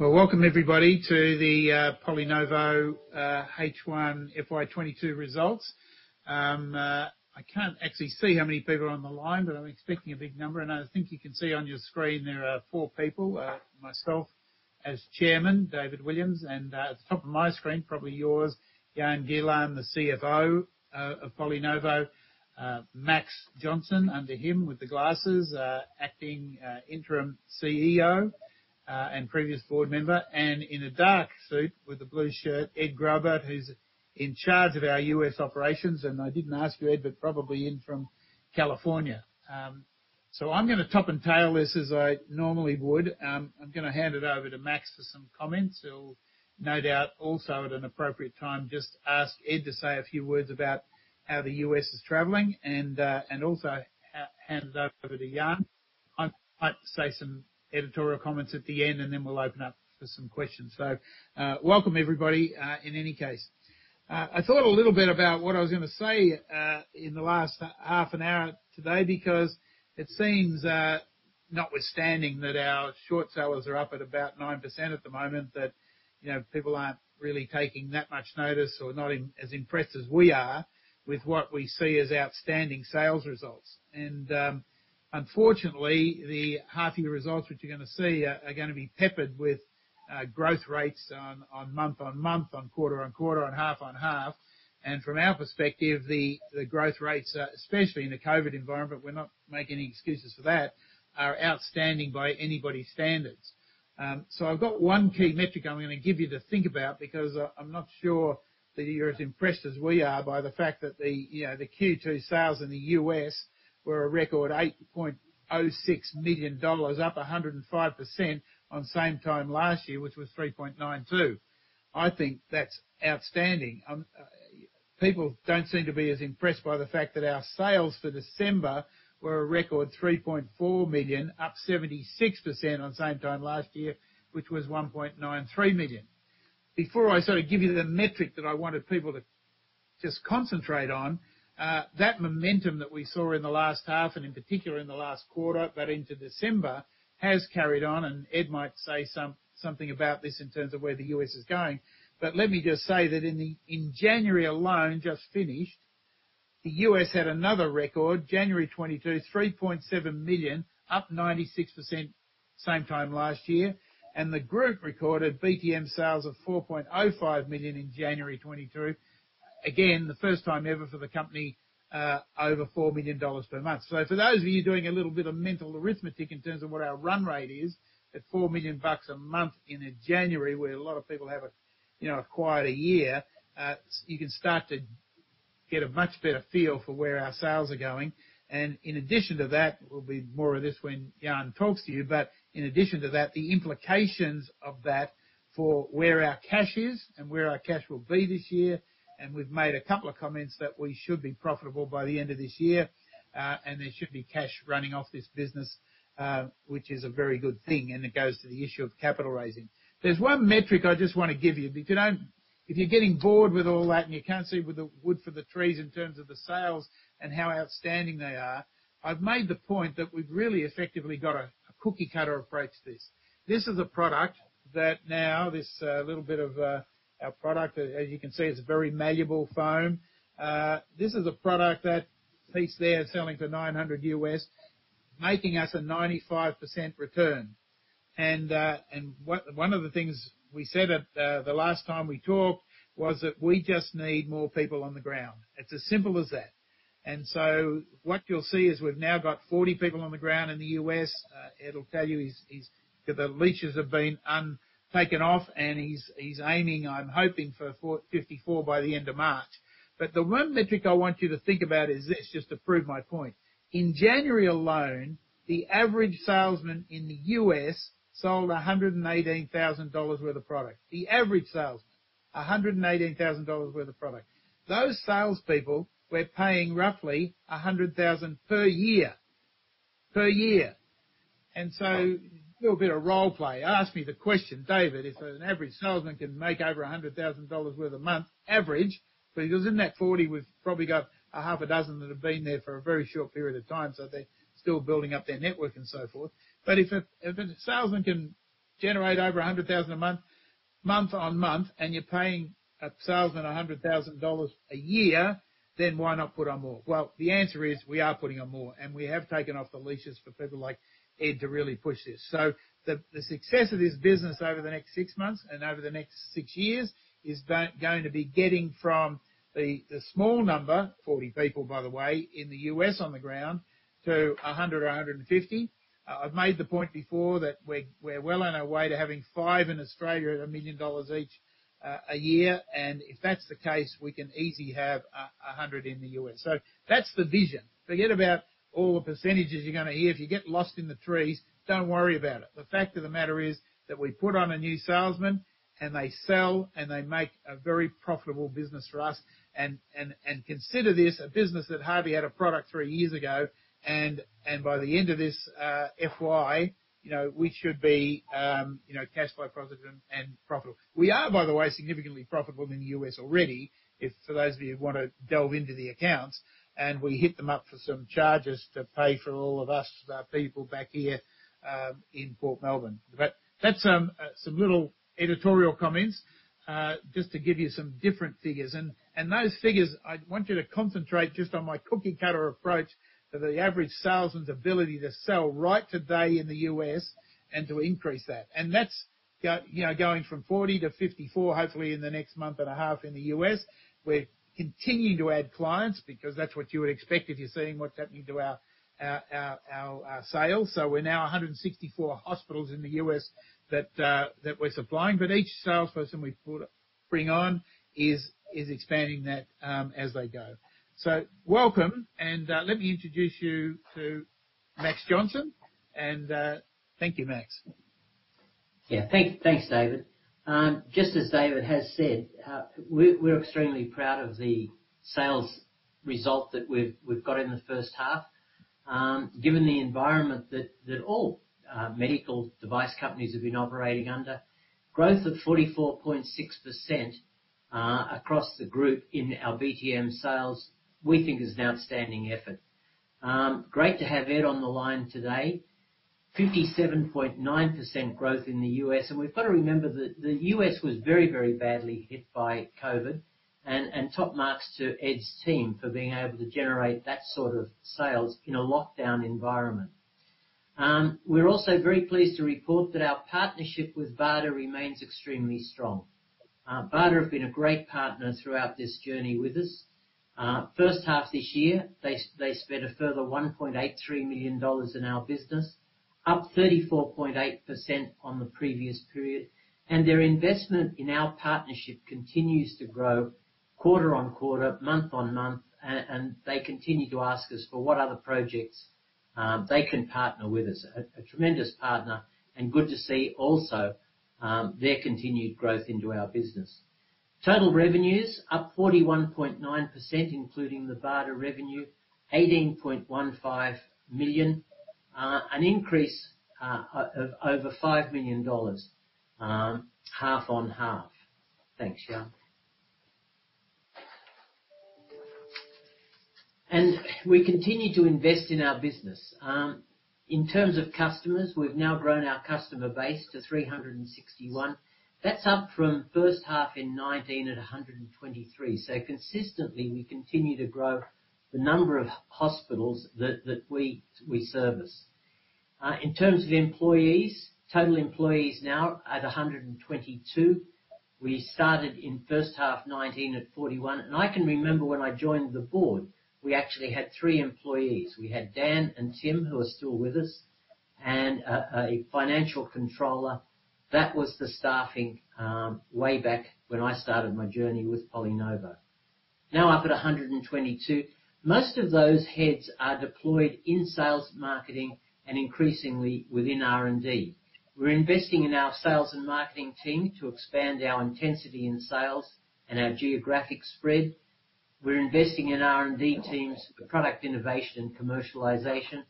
Well, welcome everybody to the PolyNovo H1 FY 2022 results. I can't actually see how many people are on the line, but I'm expecting a big number. I think you can see on your screen there are four people, myself as Chairman, David Williams, and at the top of my screen, probably yours, Jan Gielen, the CFO of PolyNovo. Max Johnston under him with the glasses, acting Interim CEO and previous board member. In a dark suit with a blue shirt, Ed Graubart, who's in charge of our U.S. operations, and I didn't ask you, Ed, but probably in from California. So I'm gonna top and tail this as I normally would. I'm gonna hand it over to Max for some comments. He'll no doubt also, at an appropriate time, just ask Ed to say a few words about how the U.S. is traveling and also hand it over to Jan. I might say some editorial comments at the end, and then we'll open up for some questions. Welcome everybody, in any case. I thought a little bit about what I was gonna say in the last half an hour today because it seems, notwithstanding that our short sellers are up at about 9% at the moment, that, you know, people aren't really taking that much notice or not as impressed as we are with what we see as outstanding sales results. Unfortunately, the half year results which you're gonna see are gonna be peppered with growth rates on month-on-month, on quarter-on-quarter, on half-on-half. From our perspective, the growth rates, especially in the COVID environment, we're not making any excuses for that, are outstanding by anybody's standards. So I've got one key metric I'm gonna give you to think about because I'm not sure that you're as impressed as we are by the fact that, you know, the Q2 sales in the U.S. were a record $8.06 million, up 105% on same time last year, which was $3.92 million. I think that's outstanding. People don't seem to be as impressed by the fact that our sales for December were a record 3.4 million, up 76% on same time last year, which was 1.93 million. Before I sort of give you the metric that I wanted people to just concentrate on, that momentum that we saw in the last half and in particular in the last quarter, but into December, has carried on, and Ed might say something about this in terms of where the U.S. is going. But let me just say that in January alone, just finished, the U.S. had another record, January 2022, 3.7 million, up 96% same time last year. The group recorded BTM sales of 4.05 million in January 2022. Again, the first time ever for the company, over 4 million dollars per month. For those of you doing a little bit of mental arithmetic in terms of what our run rate is, at 4 million bucks a month in a January where a lot of people have a, you know, a quieter year, you can start to get a much better feel for where our sales are going. In addition to that, there'll be more of this when Jan talks to you, but in addition to that, the implications of that for where our cash is and where our cash will be this year, and we've made a couple of comments that we should be profitable by the end of this year, and there should be cash running off this business, which is a very good thing, and it goes to the issue of capital raising. There's one metric I just wanna give you. If you're getting bored with all that and you can't see the wood for the trees in terms of the sales and how outstanding they are, I've made the point that we've really effectively got a cookie cutter approach to this. This is a product. Now, little bit of our product, as you can see, it's a very malleable foam. This is a product, that piece there, selling for $900, making us a 95% return. One of the things we said at the last time we talked was that we just need more people on the ground. It's as simple as that. What you'll see is we've now got 40 people on the ground in the U.S. Ed will tell you his, the leashes have been taken off, and he's aiming, I'm hoping, for 54 by the end of March. The one metric I want you to think about is this, just to prove my point. In January alone, the average salesman in the U.S. sold $118,000 worth of product. Those salespeople we're paying roughly $100,000 per year. Little bit of role play. Ask me the question, "David, if an average salesman can make over $100,000 worth a month average," because in that 40, we've probably got 6 that have been there for a very short period of time, so they're still building up their network and so forth. If a salesman can generate over 100,000 a month-on-month, and you're paying a salesman 100,000 dollars a year, then why not put on more?" Well, the answer is we are putting on more, and we have taken off the leashes for people like Ed to really push this. The success of this business over the next six months and over the next six years is going to be getting from the small number, 40 people, by the way, in the U.S. on the ground, to 100 or 150. I've made the point before that we're well on our way to having five in Australia at 1 million dollars each a year, and if that's the case, we can easily have 100 in the U.S. That's the vision. Forget about all the percentages you're gonna hear. If you get lost in the trees, don't worry about it. The fact of the matter is that we put on a new salesman and they sell, and they make a very profitable business for us. Consider this a business that hardly had a product three years ago. By the end of this FY, we should be cash flow positive and profitable. We are, by the way, significantly profitable in the U.S. already. If, for those of you who wanna delve into the accounts, and we hit them up for some charges to pay for all of us, our people back here in Port Melbourne. That's some little editorial comments just to give you some different figures. Those figures, I want you to concentrate just on my cookie-cutter approach for the average salesman's ability to sell right today in the US and to increase that. That's going, you know, from 40 to 54, hopefully in the next month and a half in the US. We're continuing to add clients because that's what you would expect if you're seeing what's happening to our sales. We're now 164 hospitals in the US that we're supplying. But each salesperson we bring on is expanding that as they go. Welcome, let me introduce you to Max Johnston, and thank you, Max. Thanks, David. Just as David has said, we're extremely proud of the sales result that we've got in the first half. Given the environment that all medical device companies have been operating under, growth of 44.6% across the group in our BTM sales, we think is an outstanding effort. Great to have Ed on the line today. 57.9% growth in the U.S., and we've got to remember the U.S. was very, very badly hit by COVID, and top marks to Ed's team for being able to generate that sort of sales in a lockdown environment. We're also very pleased to report that our partnership with BARDA remains extremely strong. BARDA have been a great partner throughout this journey with us. First half this year, they spent a further 1.83 million dollars in our business, up 34.8% on the previous period. Their investment in our partnership continues to grow quarter-on-quarter, month-on-month, and they continue to ask us for what other projects they can partner with us. A tremendous partner and good to see also their continued growth into our business. Total revenues up 41.9%, including the BARDA revenue, 18.15 million, an increase of over 5 million dollars, half on half. Thanks, Jan. We continue to invest in our business. In terms of customers, we've now grown our customer base to 361. That's up from first half in 2019 at 123. Consistently, we continue to grow the number of hospitals that we service. In terms of employees, total employees now at 122. We started in first half 2019 at 41, and I can remember when I joined the board, we actually had three employees. We had Dan and Tim, who are still with us, and a financial controller. That was the staffing way back when I started my journey with PolyNovo. Now up at 122. Most of those heads are deployed in sales, marketing, and increasingly within R&D. We're investing in our sales and marketing team to expand our intensity in sales and our geographic spread. We're investing in R&D teams for product innovation and commercialization,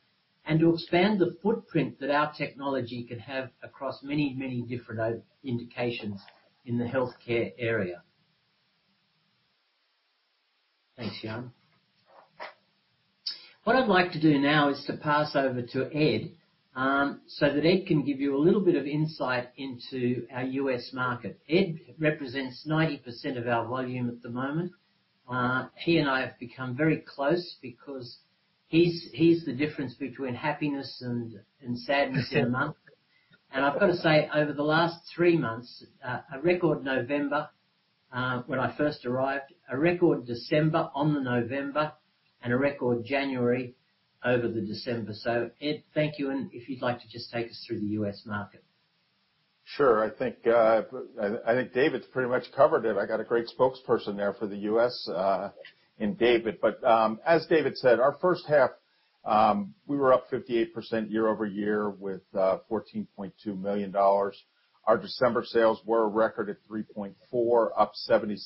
and to expand the footprint that our technology can have across many, many different indications in the healthcare area. Thanks, Jan. What I'd like to do now is to pass over to Ed, so that Ed can give you a little bit of insight into our U.S. market. Ed represents 90% of our volume at the moment. He and I have become very close because he's the difference between happiness and sadness in a month. I've got to say, over the last three months, a record November, when I first arrived, a record December on the November, and a record January over the December. Ed, thank you, and if you'd like to just take us through the U.S. market. Sure. I think David's pretty much covered it. I got a great spokesperson there for the U.S. in David. As David said, our first half we were up 58% year-over-year with 14.2 million dollars. Our December sales were a record at 3.4 million, up 76%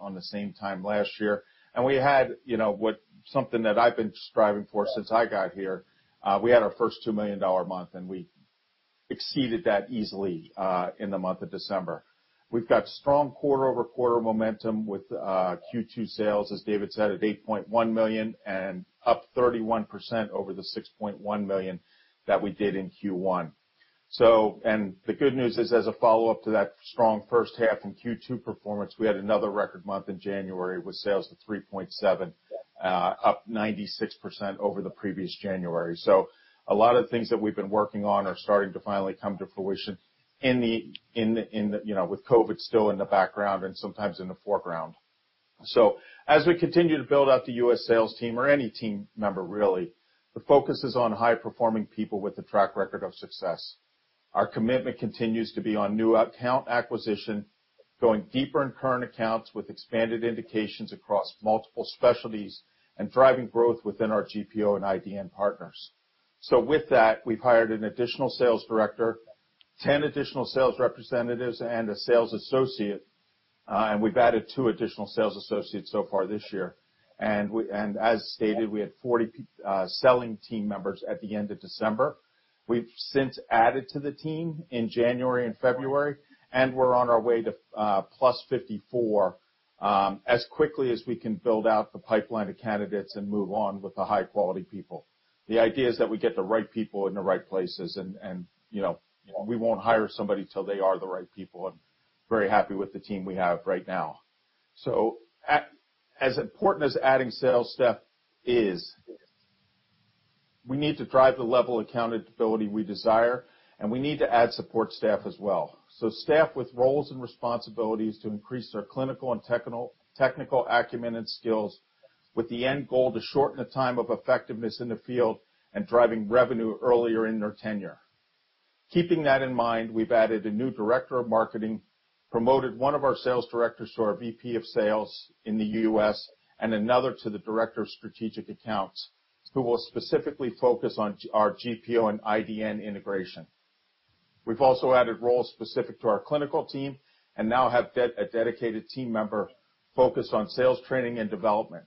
on the same time last year. We had something that I've been striving for since I got here, we had our first 2 million-dollar month, and we exceeded that easily in the month of December. We've got strong quarter-over-quarter momentum with Q2 sales, as David said, at 8.1 million and up 31% over the 6.1 million that we did in Q1. The good news is, as a follow-up to that strong first half in Q2 performance, we had another record month in January with sales of 3.7, up 96% over the previous January. A lot of things that we've been working on are starting to finally come to fruition in the, you know, with COVID still in the background and sometimes in the foreground. As we continue to build out the U.S. sales team or any team member really, the focus is on high-performing people with a track record of success. Our commitment continues to be on new account acquisition, going deeper in current accounts with expanded indications across multiple specialties, and driving growth within our GPO and IDN partners. With that, we've hired an additional sales director, 10 additional sales representatives, and a sales associate, and we've added two additional sales associates so far this year. As stated, we had 40 selling team members at the end of December. We've since added to the team in January and February, and we're on our way to 54+, as quickly as we can build out the pipeline of candidates and move on with the high-quality people. The idea is that we get the right people in the right places and, you know, we won't hire somebody till they are the right people. I'm very happy with the team we have right now. As important as adding sales staff is, we need to drive the level of accountability we desire, and we need to add support staff as well. Staff with roles and responsibilities to increase their clinical and technical acumen and skills with the end goal to shorten the time of effectiveness in the field and driving revenue earlier in their tenure. Keeping that in mind, we've added a new director of marketing, promoted one of our sales directors to our VP of Sales in the U.S., and another to the Director of Strategic Accounts, who will specifically focus on our GPO and IDN integration. We've also added roles specific to our clinical team and now have a dedicated team member focused on sales training and development.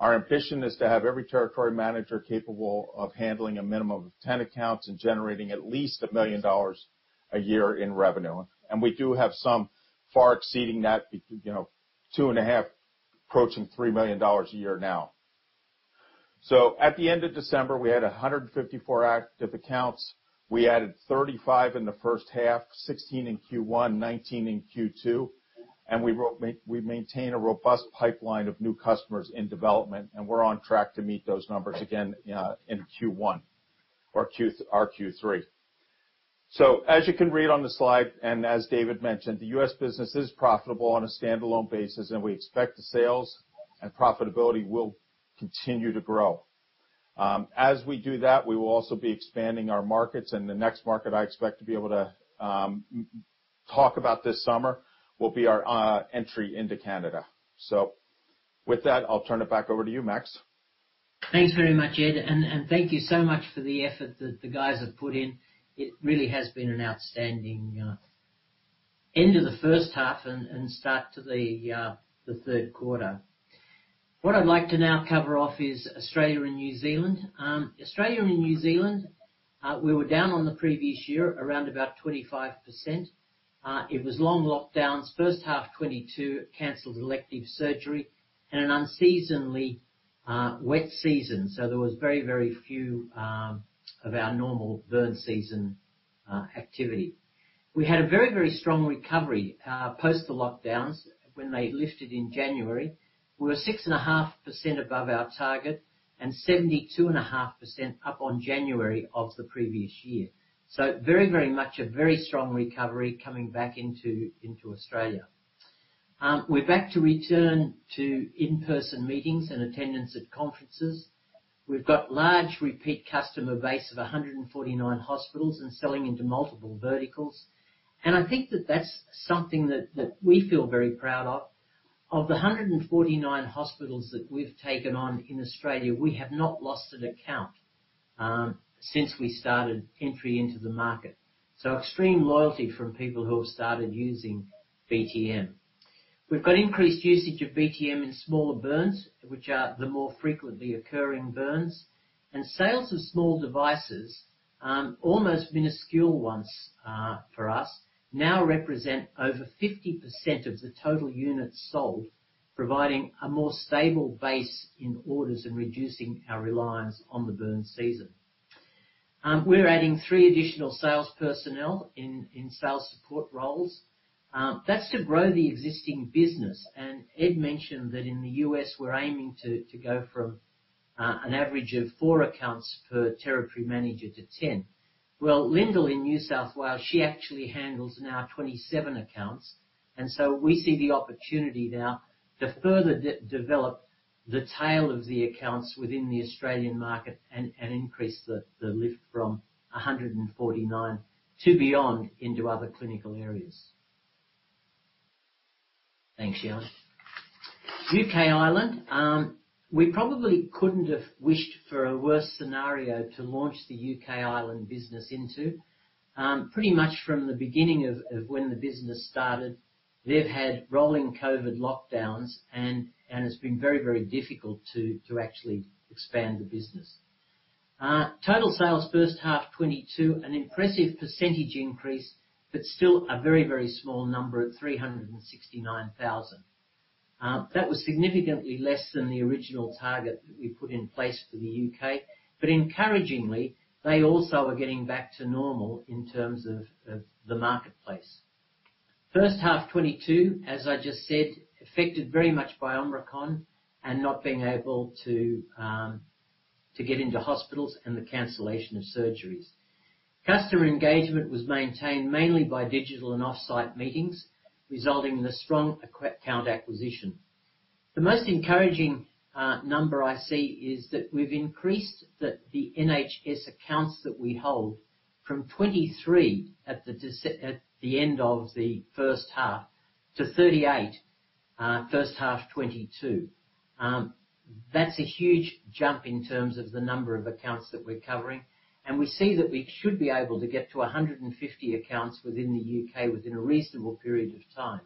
Our ambition is to have every territory manager capable of handling a minimum of 10 accounts and generating at least 1 million dollars a year in revenue. We do have some far exceeding that, you know, 2.5, approaching 3 million dollars a year now. At the end of December, we had 154 active accounts. We added 35 in the first half, 16 in Q1, 19 in Q2, and we maintain a robust pipeline of new customers in development, and we're on track to meet those numbers again in our Q3. As you can read on the slide, and as David mentioned, the U.S. business is profitable on a standalone basis, and we expect the sales and profitability will continue to grow. As we do that, we will also be expanding our markets, and the next market I expect to be able to talk about this summer will be our entry into Canada. With that, I'll turn it back over to you, Max. Thanks very much, Ed, and thank you so much for the effort that the guys have put in. It really has been an outstanding end to the first half and start to the third quarter. What I'd like to now cover off is Australia and New Zealand. Australia and New Zealand, we were down on the previous year around about 25%. It was long lockdowns. First half 2022, it canceled elective surgery and an unseasonably wet season. There was very few of our normal burn season activity. We had a very strong recovery post the lockdowns when they lifted in January. We were 6.5% above our target and 72.5% up on January of the previous year. Very much a very strong recovery coming back into Australia. We're back to return to in-person meetings and attendance at conferences. We've got large repeat customer base of 149 hospitals and selling into multiple verticals. I think that that's something that we feel very proud of. Of the 149 hospitals that we've taken on in Australia, we have not lost an account since we started entry into the market. Extreme loyalty from people who have started using BTM. We've got increased usage of BTM in smaller burns, which are the more frequently occurring burns. Sales of small devices, almost minuscule ones, for us, now represent over 50% of the total units sold, providing a more stable base in orders and reducing our reliance on the burn season. We're adding three additional sales personnel in sales support roles. That's to grow the existing business. Ed mentioned that in the U.S., we're aiming to go from an average of 4 accounts per territory manager to 10. Well, Lyndal in New South Wales, she actually handles now 27 accounts. We see the opportunity now to further develop the tail of the accounts within the Australian market and increase the lift from 149 to beyond into other clinical areas. Thanks, Jan. U.K., Ireland. We probably couldn't have wished for a worse scenario to launch the U.K., Ireland business into. Pretty much from the beginning of when the business started, they've had rolling COVID lockdowns and it's been very, very difficult to actually expand the business. Total sales first half 2022, an impressive percentage increase, but still a very small number at 369,000. That was significantly less than the original target that we put in place for the UK. Encouragingly, they also are getting back to normal in terms of the marketplace. First half 2022, as I just said, affected very much by Omicron and not being able to get into hospitals and the cancellation of surgeries. Customer engagement was maintained mainly by digital and off-site meetings, resulting in a strong account acquisition. The most encouraging number I see is that we've increased the NHS accounts that we hold from 23 at the end of the first half to 38, first half 2022. That's a huge jump in terms of the number of accounts that we're covering, and we see that we should be able to get to 150 accounts within the U.K. within a reasonable period of time.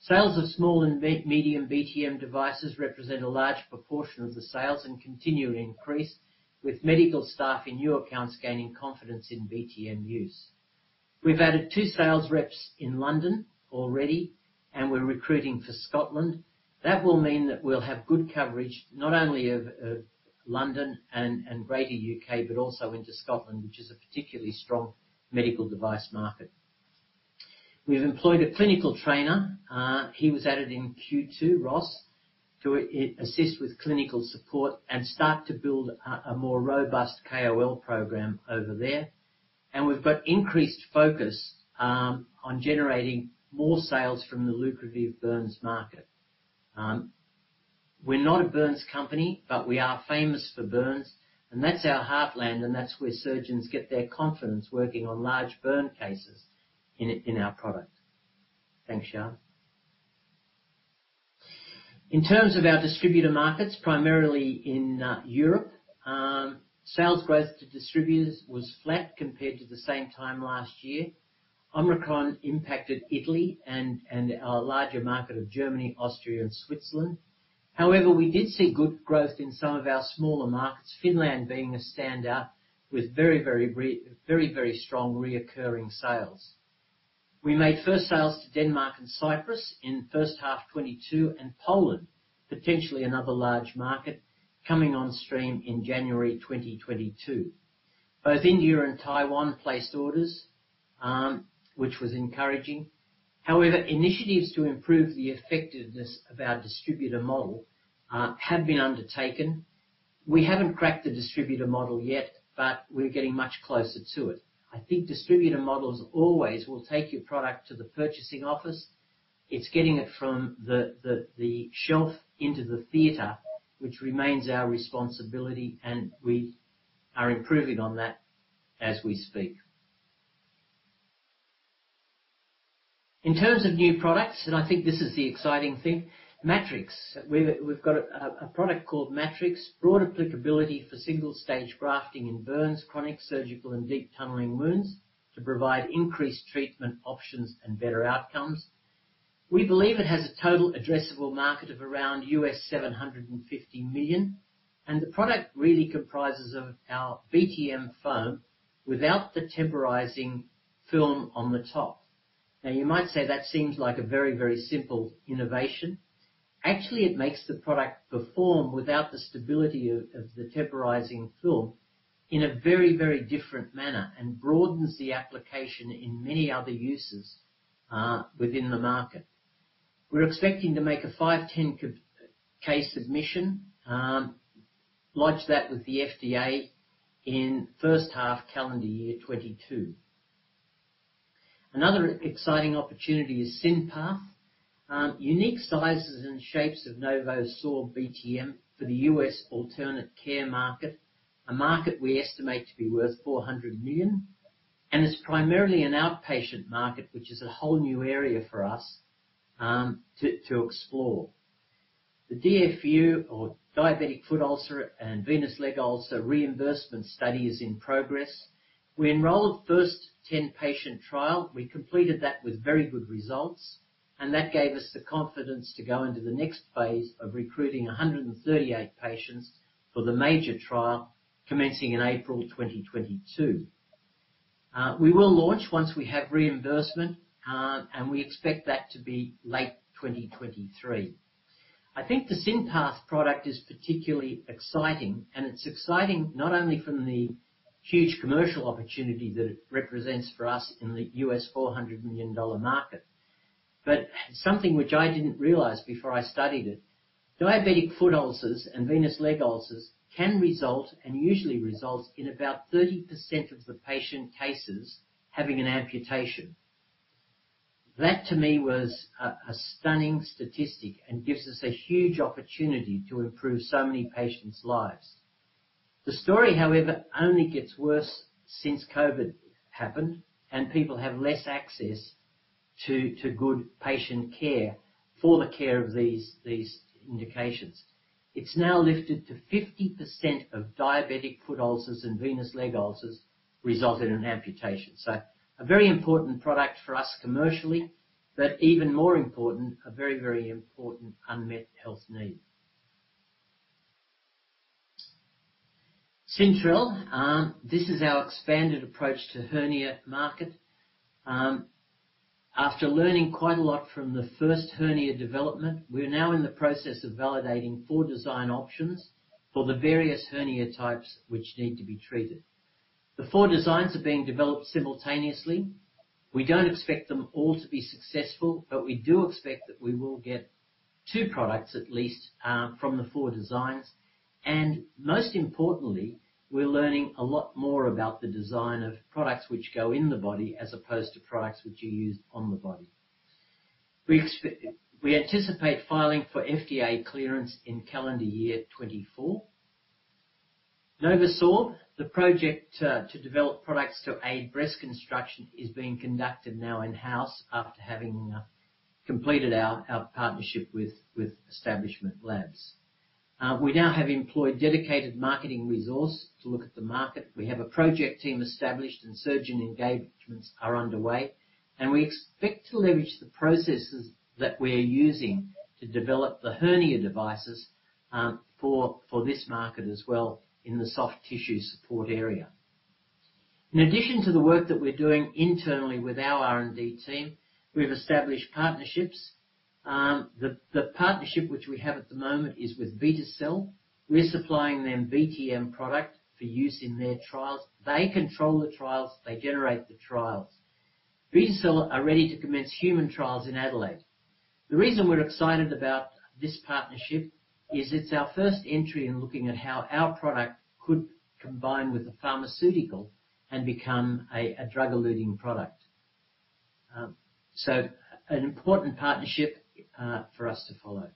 Sales of small and medium BTM devices represent a large proportion of the sales and continue to increase, with medical staff in new accounts gaining confidence in BTM use. We've added two sales reps in London already, and we're recruiting for Scotland. That will mean that we'll have good coverage not only of London and Greater U.K., but also into Scotland, which is a particularly strong medical device market. We've employed a clinical trainer, he was added in Q2, Ross, to assist with clinical support and start to build a more robust KOL program over there. We've got increased focus on generating more sales from the lucrative burns market. We're not a burns company, but we are famous for burns, and that's our heartland, and that's where surgeons get their confidence working on large burn cases in our product. Thanks, Jan. In terms of our distributor markets, primarily in Europe, sales growth to distributors was flat compared to the same time last year. Omicron impacted Italy and our larger market of Germany, Austria and Switzerland. However, we did see good growth in some of our smaller markets, Finland being a standout with very strong recurring sales. We made first sales to Denmark and Cyprus in first half 2022, and Poland, potentially another large market, coming on stream in January 2022. Both India and Taiwan placed orders, which was encouraging. However, initiatives to improve the effectiveness of our distributor model have been undertaken. We haven't cracked the distributor model yet, but we're getting much closer to it. I think distributor models always will take your product to the purchasing office. It's getting it from the shelf into the theater, which remains our responsibility, and we are improving on that as we speak. In terms of new products, I think this is the exciting thing, NovoSorb MTX. We've got a product called NovoSorb MTX with broad applicability for single stage grafting in burns, chronic, surgical, and deep tunneling wounds to provide increased treatment options and better outcomes. We believe it has a total addressable market of around $750 million, and the product really comprises of our BTM foam without the temporizing film on the top. Now, you might say that seems like a very, very simple innovation. Actually, it makes the product perform without the stability of the temporizing film in a very, very different manner and broadens the application in many other uses within the market. We're expecting to make a 510(k) submission, lodge that with the FDA in first half calendar year 2022. Another exciting opportunity is SynPath. Unique sizes and shapes of NovoSorb BTM for the U.S. alternate care market, a market we estimate to be worth $400 million. It's primarily an outpatient market, which is a whole new area for us to explore. The DFU or diabetic foot ulcer and venous leg ulcer reimbursement study is in progress. We enrolled first 10-patient trial. We completed that with very good results, and that gave us the confidence to go into the next phase of recruiting 138 patients for the major trial commencing in April 2022. We will launch once we have reimbursement, and we expect that to be late 2023. I think the SynPath product is particularly exciting, and it's exciting not only from the huge commercial opportunity that it represents for us in the U.S. $400 million market, but something which I didn't realize before I studied it. Diabetic foot ulcers and venous leg ulcers can result, and usually result, in about 30% of the patient cases having an amputation. That to me was a stunning statistic and gives us a huge opportunity to improve so many patients' lives. The story, however, only gets worse since COVID happened and people have less access to good patient care for the care of these indications. It's now lifted to 50% of diabetic foot ulcers and venous leg ulcers resulting in amputation. A very important product for us commercially, but even more important, a very, very important unmet health need. Syntrel, this is our expanded approach to hernia market. After learning quite a lot from the first hernia development, we're now in the process of validating four design options for the various hernia types which need to be treated. The four designs are being developed simultaneously. We don't expect them all to be successful, but we do expect that we will get two products at least from the four designs. Most importantly, we're learning a lot more about the design of products which go in the body as opposed to products which are used on the body. We anticipate filing for FDA clearance in calendar year 2024. NovoSorb, the project to develop products to aid breast construction, is being conducted now in-house after having completed our partnership with Establishment Labs. We now have employed dedicated marketing resource to look at the market. We have a project team established, and surgeon engagements are underway, and we expect to leverage the processes that we're using to develop the hernia devices for this market as well in the soft tissue support area. In addition to the work that we're doing internally with our R&D team, we've established partnerships. The partnership which we have at the moment is with Vitacell. We're supplying them BTM product for use in their trials. They control the trials. They generate the trials. Vitacell are ready to commence human trials in Adelaide. The reason we're excited about this partnership is it's our first entry in looking at how our product could combine with the pharmaceutical and become a drug-eluting product. An important partnership for us to follow.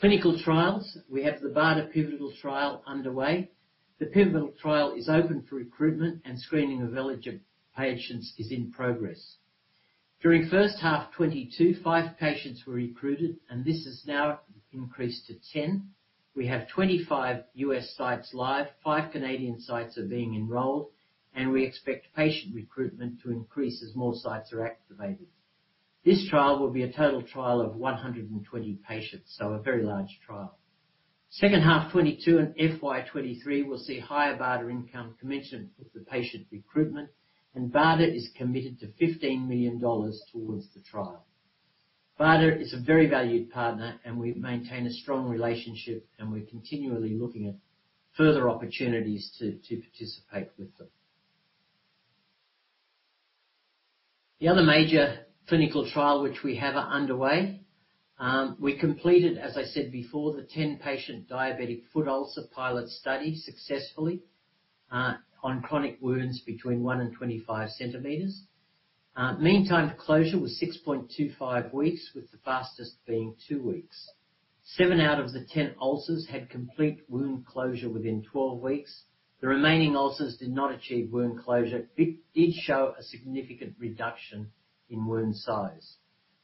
Clinical trials. We have the BARDA pivotal trial underway. The pivotal trial is open for recruitment, and screening of eligible patients is in progress. During first half 2022, 5 patients were recruited, and this has now increased to 10. We have 25 U.S. sites live, 5 Canadian sites are being enrolled, and we expect patient recruitment to increase as more sites are activated. This trial will be a total trial of 120 patients, so a very large trial. Second half 2022 and FY 2023 will see higher BARDA income commencement with the patient recruitment, and BARDA is committed to $15 million towards the trial. BARDA is a very valued partner, and we maintain a strong relationship, and we're continually looking at further opportunities to participate with them. The other major clinical trial which we have underway. We completed, as I said before, the 10-patient diabetic foot ulcer pilot study successfully, on chronic wounds between 1 and 25 centimeters. Mean time to closure was 6.25 weeks, with the fastest being two weeks. Seven out of the 10 ulcers had complete wound closure within 12 weeks. The remaining ulcers did not achieve wound closure, did show a significant reduction in wound size.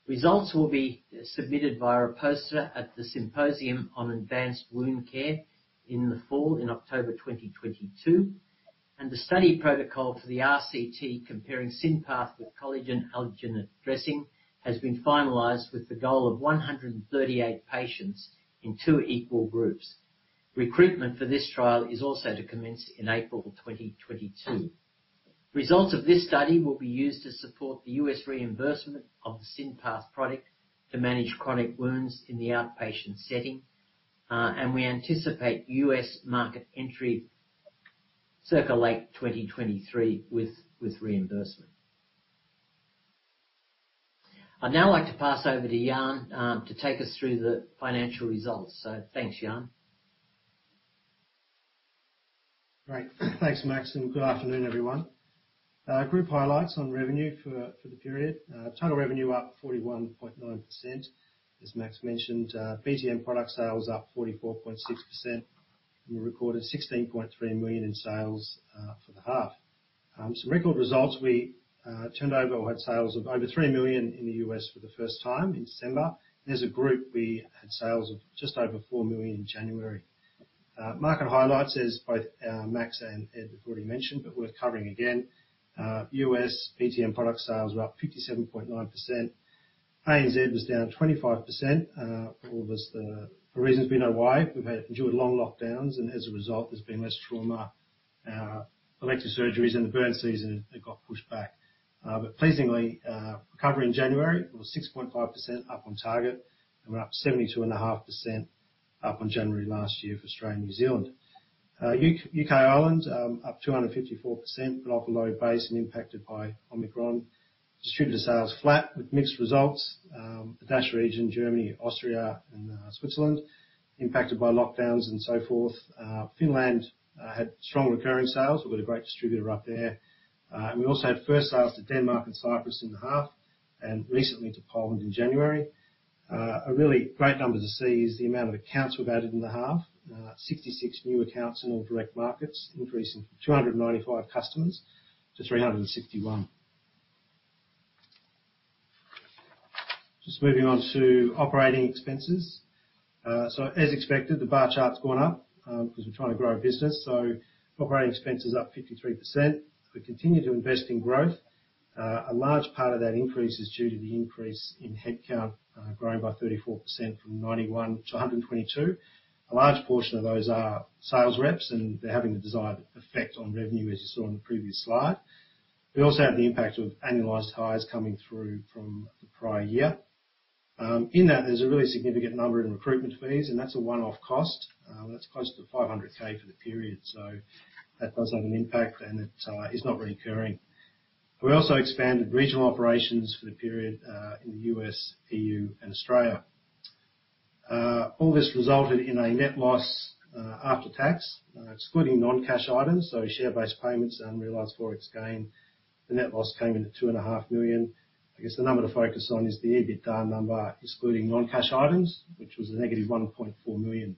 Results will be submitted via a poster at the Symposium on Advanced Wound Care in the fall, in October 2022, and the study protocol for the RCT comparing SynPath with collagen alginate dressing has been finalized with the goal of 138 patients in two equal groups. Recruitment for this trial is also to commence in April 2022. Results of this study will be used to support the U.S. reimbursement of the SynPath product to manage chronic wounds in the outpatient setting. We anticipate U.S. market entry circa late 2023 with reimbursement. I'd now like to pass over to Jan to take us through the financial results. Thanks, Jan. Great. Thanks, Max, and good afternoon, everyone. Group highlights on revenue for the period. Total revenue up 41.9%. As Max mentioned, BTM product sales up 44.6%, and we recorded 16.3 million in sales for the half. Some record results. We turned over or had sales of over 3 million in the U.S. for the first time in December. As a group, we had sales of just over 4 million in January. Market highlights as both Max and Ed have already mentioned, but worth covering again. U.S. BTM product sales were up 57.9%. ANZ was down 25%. Well, for reasons we know why. We've endured long lockdowns, and as a result, there's been less trauma. Elective surgeries in the burn season, it got pushed back. Pleasingly, recovery in January was 6.5% up on target and we were up 72.5% up on January last year for Australia and New Zealand. U.K., Ireland, up 254%, but off a low base and impacted by Omicron. Distributor sales flat with mixed results. The DACH region, Germany, Austria, and Switzerland, impacted by lockdowns and so forth. Finland had strong recurring sales. We've got a great distributor up there. We also had first sales to Denmark and Cyprus in the half and recently to Poland in January. A really great number to see is the amount of accounts we've added in the half. 66 new accounts in all direct markets, increasing from 295 customers to 361. Just moving on to operating expenses. As expected, the bar chart's gone up, 'cause we're trying to grow our business, operating expenses up 53%. We continue to invest in growth. A large part of that increase is due to the increase in headcount, growing by 34% from 91 to 122. A large portion of those are sales reps, and they're having the desired effect on revenue, as you saw in the previous slide. We also have the impact of annualized hires coming through from the prior year. In that, there's a really significant number in recruitment fees, and that's a one-off cost, that's close to 500,000 for the period. That does have an impact, and it is not recurring. We also expanded regional operations for the period in the U.S., EU and Australia. All this resulted in a net loss after tax, excluding non-cash items, so share-based payments and realized Forex gain. The net loss came in at 2.5 million. I guess the number to focus on is the EBITDA number, excluding non-cash items, which was -1.4 million.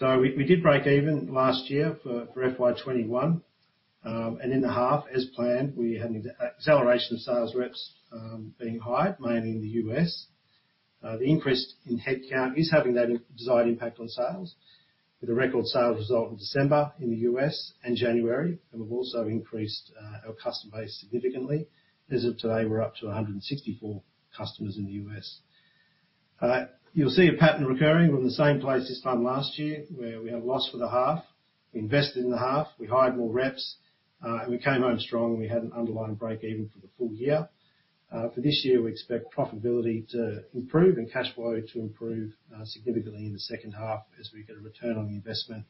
We did break even last year for FY 2021. In the half as planned, we had an acceleration of sales reps being hired, mainly in the U.S. The increase in head count is having that desired impact on sales with a record sales result in December in the U.S. and January. We've also increased our customer base significantly. As of today, we're up to 164 customers in the U.S. You'll see a pattern recurring. We're in the same place this time last year where we have a loss for the half. We invested in the half, we hired more reps, and we came home strong, and we had an underlying break even for the full year. For this year, we expect profitability to improve and cash flow to improve significantly in the second half as we get a return on the investment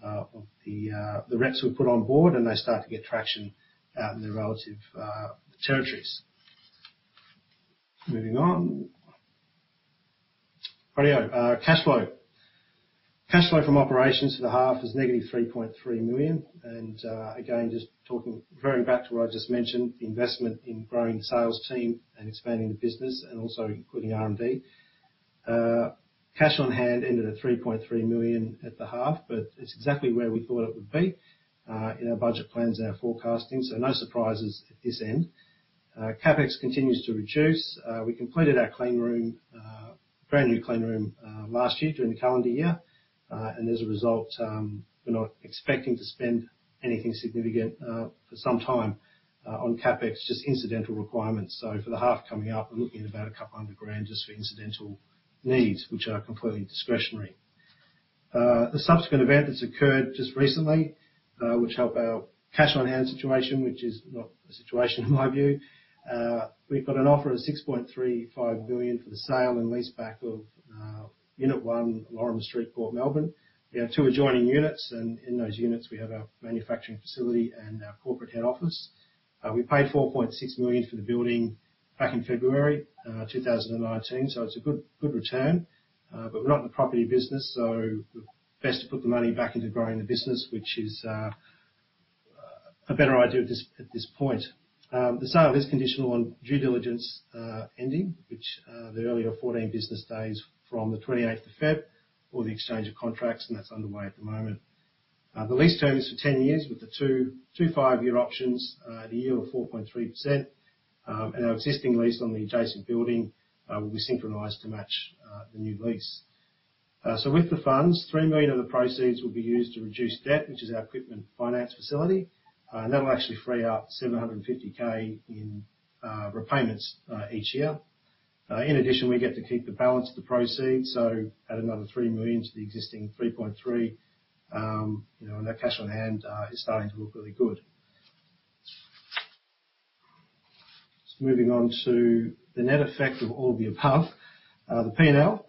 of the reps we've put on board and they start to get traction out in their relative territories. Moving on. Cash flow. Cash flow from operations for the half is negative 3.3 million. Referring back to what I just mentioned, the investment in growing the sales team and expanding the business and also including R&D. Cash on hand ended at 3.3 million at the half, but it's exactly where we thought it would be in our budget plans and our forecasting, so no surprises at this end. CapEx continues to reduce. We completed our clean room, brand new clean room, last year during the calendar year. As a result, we're not expecting to spend anything significant for some time on CapEx, just incidental requirements. For the half coming up, we're looking at about a couple hundred grand just for incidental needs, which are completely discretionary. The subsequent event that's occurred just recently, which helps our cash on hand situation, which is not a situation in my view. We've got an offer of 6.35 billion for the sale and leaseback of unit 1 Lorimer Street, Port Melbourne. We have two adjoining units, and in those units we have our manufacturing facility and our corporate head office. We paid 4.6 million for the building back in February 2019, so it's a good return. We're not in the property business, so best to put the money back into growing the business, which is a better idea at this point. The sale is conditional on due diligence ending, which is the earlier of 14 business days from the 28th of February or the exchange of contracts, and that's underway at the moment. The lease term is for 10 years with two 5-year options at a yield of 4.3%. Our existing lease on the adjacent building will be synchronized to match the new lease. With the funds, 3 million of the proceeds will be used to reduce debt, which is our equipment finance facility. That will actually free up 750,000 in repayments each year. In addition, we get to keep the balance of the proceeds, so add another 3 million to the existing 3.3 million, you know, and our cash on hand is starting to look really good. Just moving on to the net effect of all the above, the P&L.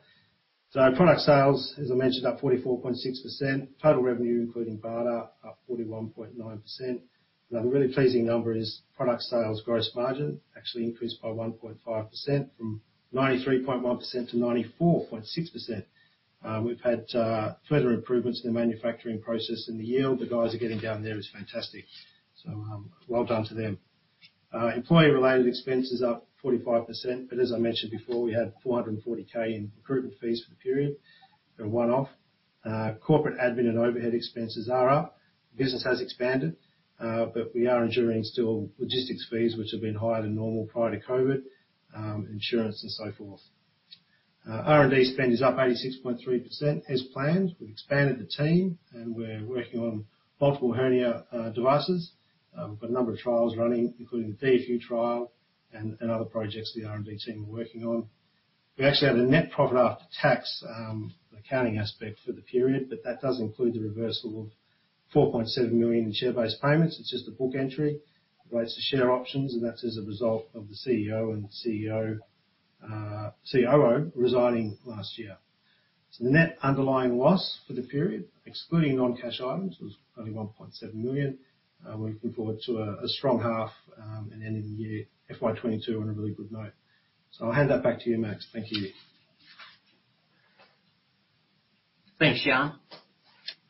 Product sales, as I mentioned, up 44.6%. Total revenue, including BARDA, up 41.9%. Another really pleasing number is product sales gross margin actually increased by 1.5% from 93.1% to 94.6%. We've had further improvements in the manufacturing process and the yield the guys are getting down there is fantastic. Well done to them. Employee-related expenses up 45%, but as I mentioned before, we had 440K in recruitment fees for the period. They're one-off. Corporate admin and overhead expenses are up. The business has expanded, but we are incurring still logistics fees, which have been higher than normal prior to COVID, insurance and so forth. R&D spend is up 86.3% as planned. We've expanded the team and we're working on multiple hernia devices. We've got a number of trials running, including the DFU trial and other projects the R&D team are working on. We actually had a net profit after tax, accounting aspect for the period, but that does include the reversal of 4.7 million in share-based payments. It's just a book entry relates to share options, and that's as a result of the CEO and COO resigning last year. The net underlying loss for the period, excluding non-cash items, was only 1.7 million. We're looking forward to a strong half, and ending the year FY 2022 on a really good note. I'll hand that back to you, Max. Thank you. Thanks, Jan.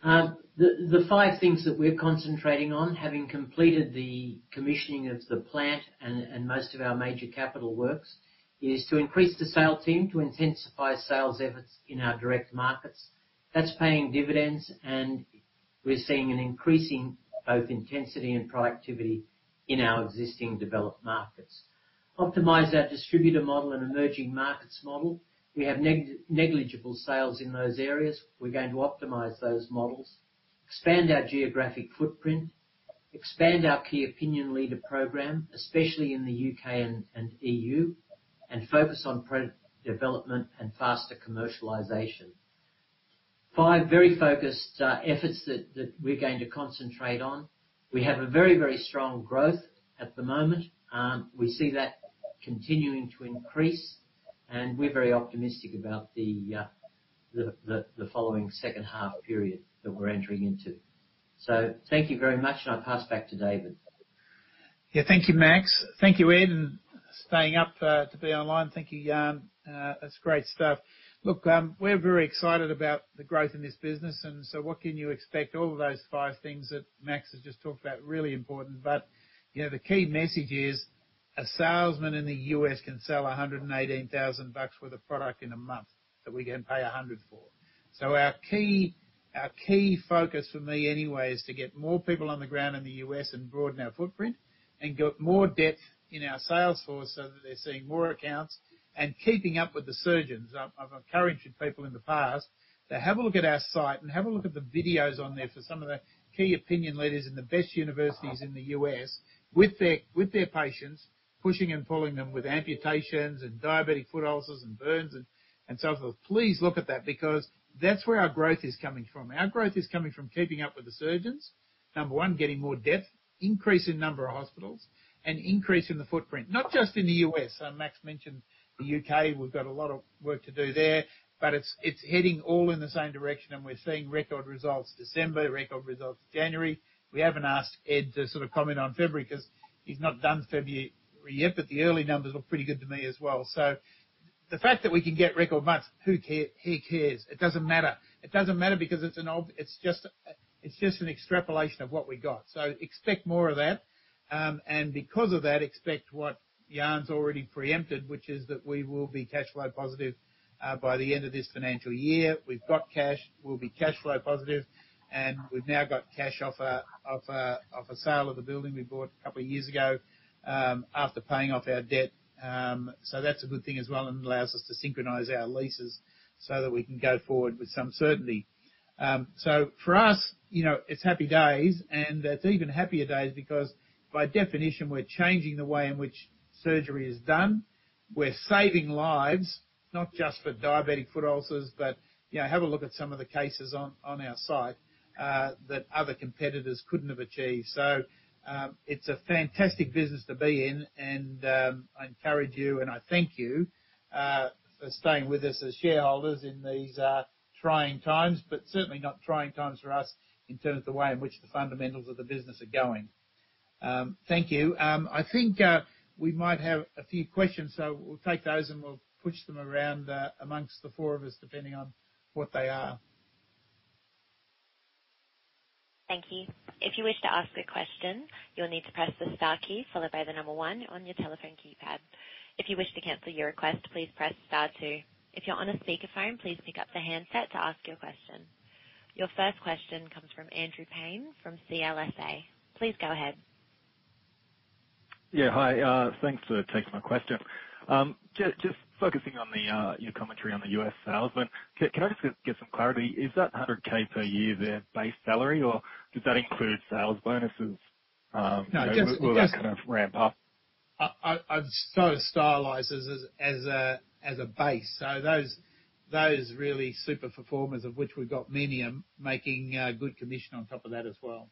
The five things that we're concentrating on, having completed the commissioning of the plant and most of our major capital works, is to increase the sales team to intensify sales efforts in our direct markets. That's paying dividends, and we're seeing an increasing both intensity and productivity in our existing developed markets. Optimize our distributor model and emerging markets model. We have negligible sales in those areas. We're going to optimize those models, expand our geographic footprint, expand our key opinion leader program, especially in the UK and EU, and focus on product development and faster commercialization. Five very focused efforts that we're going to concentrate on. We have a very, very strong growth at the moment. We see that continuing to increase, and we're very optimistic about the following second half period that we're entering into. Thank you very much, and I'll pass back to David. Yeah. Thank you, Max. Thank you, Ed, for staying up to be online. Thank you, Jan. That's great stuff. Look, we're very excited about the growth in this business. What can you expect? All of those five things that Max has just talked about, really important. You know, the key message is, a salesman in the U.S. can sell $118,000 worth of product in a month that we're gonna pay $100 for. Our key focus for me anyway is to get more people on the ground in the U.S. and broaden our footprint and get more depth in our sales force so that they're seeing more accounts and keeping up with the surgeons. I've encouraged people in the past to have a look at our site and have a look at the videos on there for some of the key opinion leaders in the best universities in the U.S. with their patients, pushing and pulling them with amputations and diabetic foot ulcers and burns and so forth. Please look at that, because that's where our growth is coming from. Our growth is coming from keeping up with the surgeons, number one, getting more depth, increase in number of hospitals, and increase in the footprint. Not just in the U.S., so Max mentioned the U.K., we've got a lot of work to do there. But it's heading all in the same direction. We're seeing record results December, record results January. We haven't asked Ed to sort of comment on February 'cause he's not done February yet, but the early numbers look pretty good to me as well. The fact that we can get record months, who cares. He cares. It doesn't matter because it's an old. It's just an extrapolation of what we got. Expect more of that. Because of that, expect what Jan's already preempted, which is that we will be cash flow positive by the end of this financial year. We've got cash. We'll be cash flow positive, and we've now got cash off a sale of the building we bought a couple of years ago after paying off our debt. That's a good thing as well and allows us to synchronize our leases so that we can go forward with some certainty. For us, you know, it's happy days and it's even happier days because by definition, we're changing the way in which surgery is done. We're saving lives, not just for diabetic foot ulcers, but, you know, have a look at some of the cases on our site that other competitors couldn't have achieved. It's a fantastic business to be in, and I encourage you, and I thank you for staying with us as shareholders in these trying times, but certainly not trying times for us in terms of the way in which the fundamentals of the business are going. Thank you. I think we might have a few questions, so we'll take those, and we'll push them around among the four of us, depending on what they are. Thank you. If you wish to ask a question, you'll need to press the star key followed by the number one on your telephone keypad. If you wish to cancel your request, please press star two. If you're on a speakerphone, please pick up the handset to ask your question. Your first question comes from Andrew Paine from CLSA. Please go ahead. Hi, thanks for taking my question. Just focusing on your commentary on the U.S. salesman. Can I just get some clarity? Is that $100K per year their base salary, or does that include sales bonuses? Will that kind of ramp up? I've sort of sized it as a base. Those really super performers of which we've got many are making good commission on top of that as well.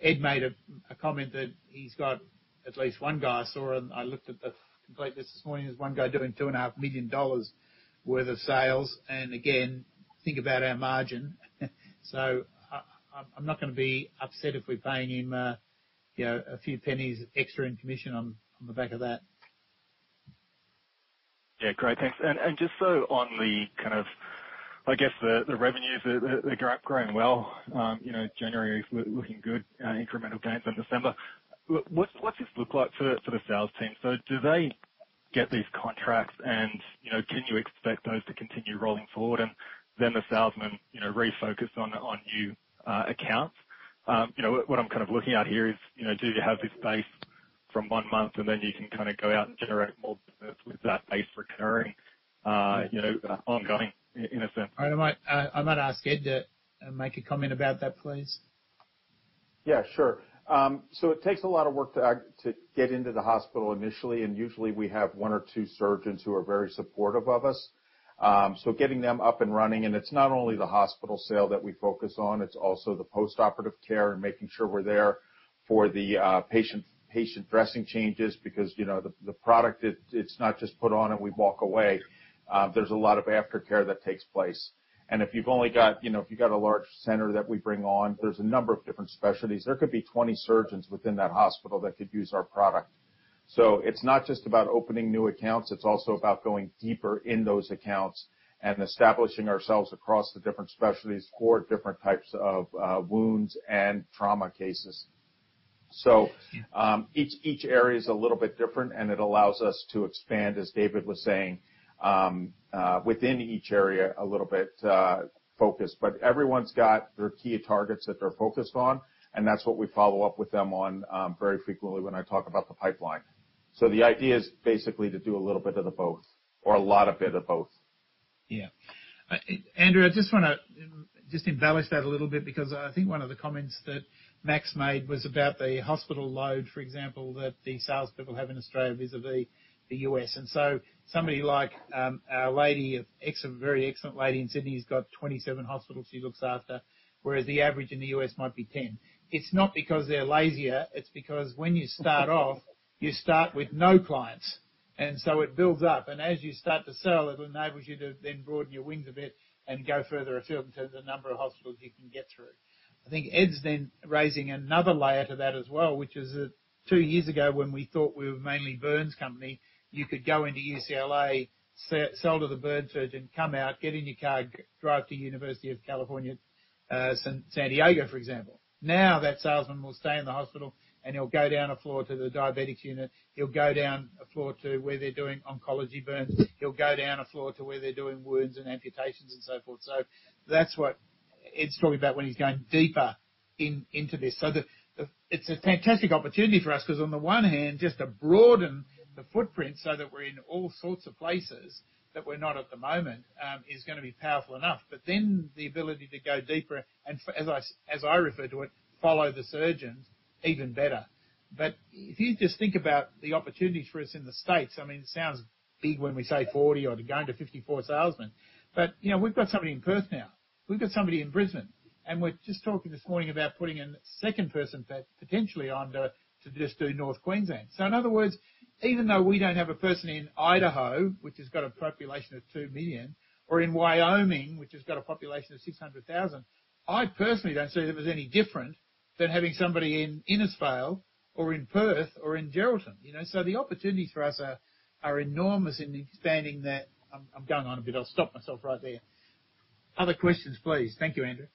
Ed made a comment that he's got at least one guy. I saw, and I looked at the complete list this morning. There's one guy doing $2.5 million worth of sales, and again, think about our margin. I'm not gonna be upset if we're paying him, you know, a few pennies extra in commission on the back of that. Yeah. Great. Thanks. Just so on the kind of I guess the revenues are growing well, you know, January is looking good, incremental gains in December. What's this look like for the sales team? Do they get these contracts and, you know, can you expect those to continue rolling forward and then the salesman, you know, refocus on new accounts? You know, what I'm kind of looking at here is, you know, do you have this base from one month, and then you can kinda go out and generate more business with that base recurring, you know, ongoing in a sense? I might ask Ed to make a comment about that, please. Yeah, sure. It takes a lot of work to get into the hospital initially, and usually we have one or two surgeons who are very supportive of us. Getting them up and running, and it's not only the hospital sale that we focus on, it's also the post-operative care and making sure we're there for the patient dressing changes because the product, it's not just put on and we walk away. There's a lot of aftercare that takes place. If you've got a large center that we bring on, there's a number of different specialties. There could be 20 surgeons within that hospital that could use our product. It's not just about opening new accounts, it's also about going deeper in those accounts and establishing ourselves across the different specialties for different types of wounds and trauma cases. Each area is a little bit different, and it allows us to expand, as David was saying, within each area a little bit focused. But everyone's got their key targets that they're focused on, and that's what we follow up with them on very frequently when I talk about the pipeline. The idea is basically to do a little bit of the both or a lot a bit of both. Andrew, I just wanna embellish that a little bit because I think one of the comments that Max made was about the hospital load, for example, that the salespeople have in Australia vis-à-vis the U.S. Somebody like our very excellent lady in Sydney has got 27 hospitals she looks after, whereas the average in the U.S. might be 10. It's not because they're lazier. It's because when you start off, you start with no clients, so it builds up. As you start to sell, it enables you to then broaden your wings a bit and go further afield in terms of the number of hospitals you can get through. I think Ed's then raising another layer to that as well, which is that two years ago, when we thought we were mainly burns company, you could go into UCLA, sell to the burn surgeon, come out, get in your car, drive to University of California, San Diego, for example. Now, that salesman will stay in the hospital, and he'll go down a floor to the diabetics unit. He'll go down a floor to where they're doing oncology burns. He'll go down a floor to where they're doing wounds and amputations and so forth. That's what Ed's talking about when he's going deeper in, into this. It's a fantastic opportunity for us, 'cause on the one hand, just to broaden the footprint so that we're in all sorts of places that we're not at the moment, is gonna be powerful enough. The ability to go deeper, as I refer to it, follow the surgeons even better. If you just think about the opportunities for us in the States, I mean, it sounds big when we say 40 or going to 54 salesmen, but, you know, we've got somebody in Perth now. We've got somebody in Brisbane. And we're just talking this morning about putting in a second person potentially in order to just do North Queensland. In other words, even though we don't have a person in Idaho, which has got a population of 2 million, or in Wyoming, which has got a population of 600,000, I personally don't see that as any different than having somebody in Innisfail or in Perth or in Geraldton. You know? The opportunities for us are enormous in expanding that. I'm going on a bit. I'll stop myself right there. Other questions, please. Thank you, Andrew.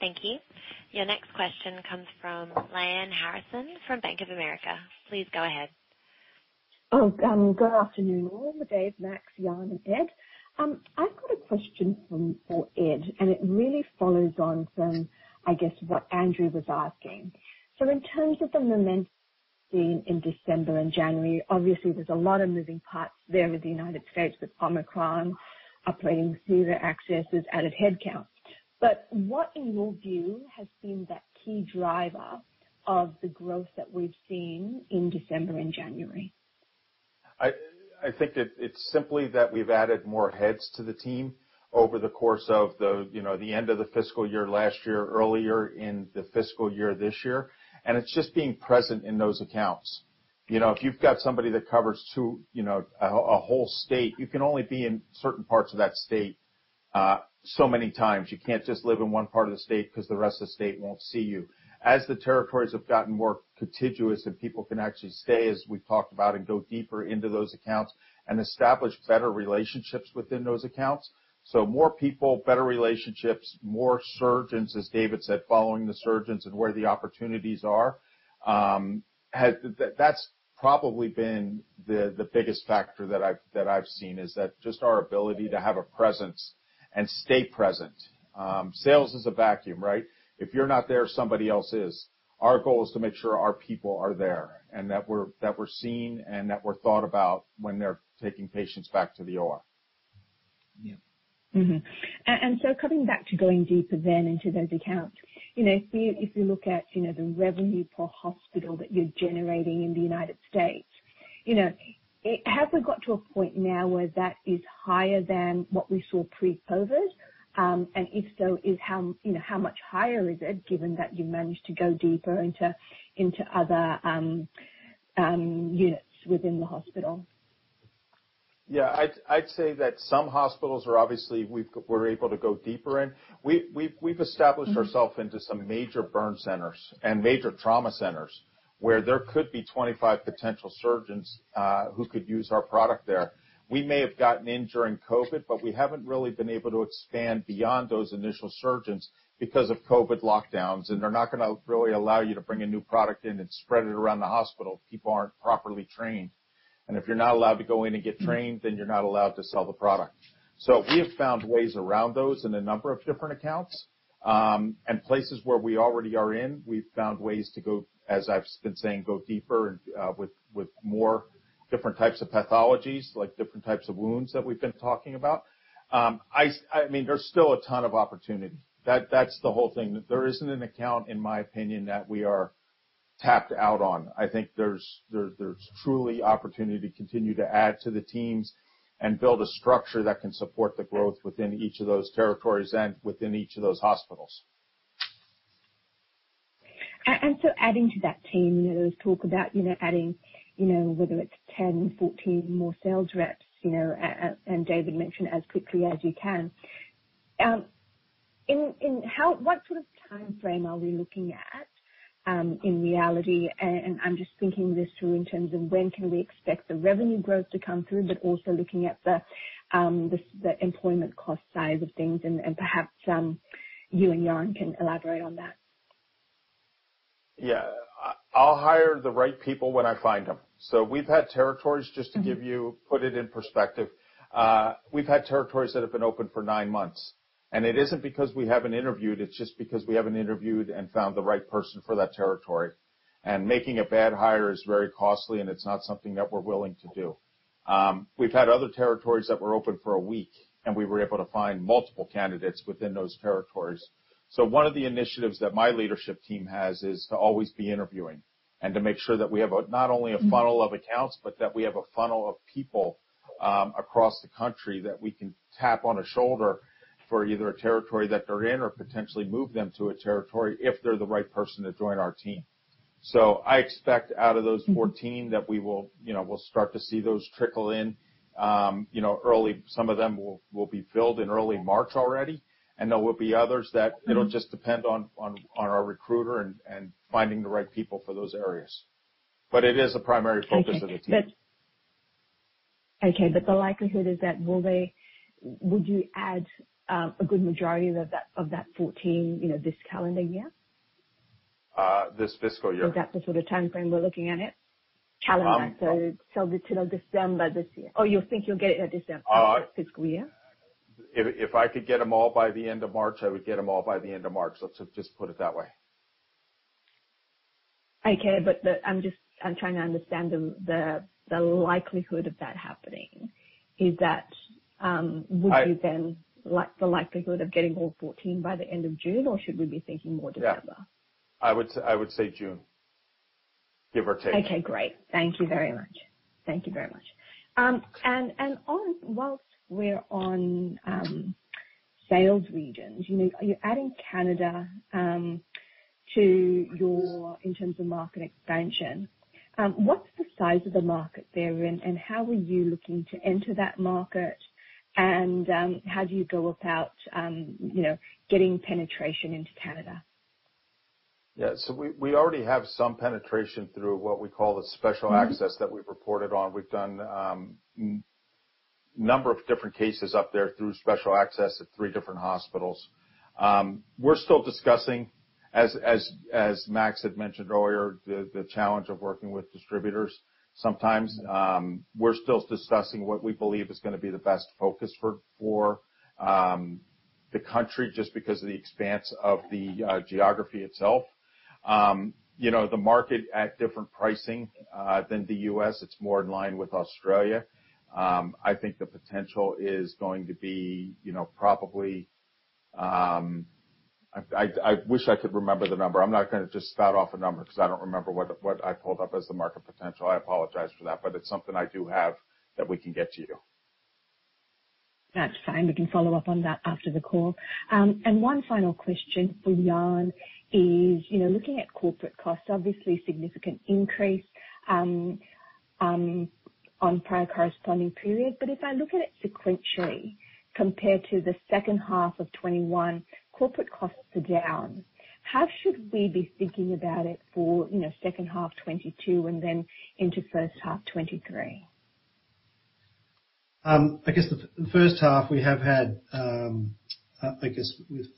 Thank you. Your next question comes from Lyanne Harrison from Bank of America. Please go ahead. Good afternoon all. David, Max, Jan and Ed. I've got a question for Ed, and it really follows on from, I guess, what Andrew was asking. In terms of the momentum seen in December and January, obviously, there's a lot of moving parts there with the United States, with Omicron, improving theater access, added headcount. What, in your view, has been that key driver of the growth that we've seen in December and January? I think that it's simply that we've added more heads to the team over the course of the, you know, the end of the fiscal year last year, earlier in the fiscal year this year, and it's just being present in those accounts. You know, if you've got somebody that covers two, you know, a whole state, you can only be in certain parts of that state so many times. You can't just live in one part of the state 'cause the rest of the state won't see you. As the territories have gotten more contiguous and people can actually stay, as we've talked about, and go deeper into those accounts and establish better relationships within those accounts. So more people, better relationships, more surgeons, as David said, following the surgeons and where the opportunities are, has... That's probably been the biggest factor that I've seen, is that just our ability to have a presence and stay present. Sales is a vacuum, right? If you're not there, somebody else is. Our goal is to make sure our people are there and that we're seen, and that we're thought about when they're taking patients back to the OR. Yeah. Coming back to going deeper then into those accounts, you know, if you look at, you know, the revenue per hospital that you're generating in the United States, you know, have we got to a point now where that is higher than what we saw pre-COVID? If so, how much higher is it given that you managed to go deeper into other units within the hospital? I'd say that some hospitals are obviously we're able to go deeper in. We've established ourselves into some major burn centers and major trauma centers where there could be 25 potential surgeons who could use our product there. We may have gotten in during COVID, but we haven't really been able to expand beyond those initial surgeons because of COVID lockdowns, and they're not gonna really allow you to bring a new product in and spread it around the hospital if people aren't properly trained. If you're not allowed to go in and get trained, then you're not allowed to sell the product. We have found ways around those in a number of different accounts, and places where we already are in, we've found ways to go, as I've been saying, go deeper and, with more different types of pathologies, like different types of wounds that we've been talking about. I mean, there's still a ton of opportunity. That's the whole thing. There isn't an account, in my opinion, that we are tapped out on. I think there's truly opportunity to continue to add to the teams and build a structure that can support the growth within each of those territories and within each of those hospitals. Adding to that team, you know, there was talk about, you know, adding, you know, whether it's 10, 14 more sales reps, you know, and David mentioned as quickly as you can. What sort of timeframe are we looking at in reality? I'm just thinking this through in terms of when can we expect the revenue growth to come through, but also looking at the employment cost side of things and perhaps you and Jan can elaborate on that. Yeah. I'll hire the right people when I find them. We've had territories that have been open for nine months, and it isn't because we haven't interviewed, it's just because we haven't interviewed and found the right person for that territory. Making a bad hire is very costly, and it's not something that we're willing to do. We've had other territories that were open for a week, and we were able to find multiple candidates within those territories. One of the initiatives that my leadership team has is to always be interviewing and to make sure that we have not only a funnel of accounts, but that we have a funnel of people across the country that we can tap on the shoulder for either a territory that they're in or potentially move them to a territory if they're the right person to join our team. I expect out of those Mm-hmm. 14 that we will, you know, we'll start to see those trickle in, you know, early. Some of them will be filled in early March already, and there will be others that- Mm-hmm. It'll just depend on our recruiter and finding the right people for those areas. It is a primary focus of the team. Would you add a good majority of that 14, you know, this calendar year? This fiscal year. Is that the sort of timeframe we're looking at it? Um- Calendar, so till December this year. Or you think you'll get it in December. Uh- Fiscal year? If I could get them all by the end of March, I would get them all by the end of March. Let's just put it that way. Okay, but I'm trying to understand the likelihood of that happening. Is that I- Would you then, like, the likelihood of getting all 14 by the end of June, or should we be thinking more December? Yeah. I would say June, give or take. Okay, great. Thank you very much. On while we're on sales regions, you know, you're adding Canada to your in terms of market expansion. What's the size of the market there and how are you looking to enter that market and how do you go about you know getting penetration into Canada? Yeah. We already have some penetration through what we call the special- Mm-hmm. Access that we've reported on. We've done a number of different cases up there through special access at three different hospitals. We're still discussing, as Max had mentioned earlier, the challenge of working with distributors sometimes. We're still discussing what we believe is gonna be the best focus for the country just because of the expanse of the geography itself. You know, the market at different pricing than the U.S., it's more in line with Australia. I think the potential is going to be, you know, probably. I wish I could remember the number. I'm not gonna just spout off a number 'cause I don't remember what I pulled up as the market potential. I apologize for that, but it's something I do have that we can get to you. That's fine. We can follow up on that after the call. One final question for Jan is, you know, looking at corporate costs, obviously significant increase on prior corresponding period. If I look at it sequentially compared to the second half of 2021, corporate costs are down. How should we be thinking about it for, you know, second half 2022 and then into first half 2023? I guess the first half we have had, I guess with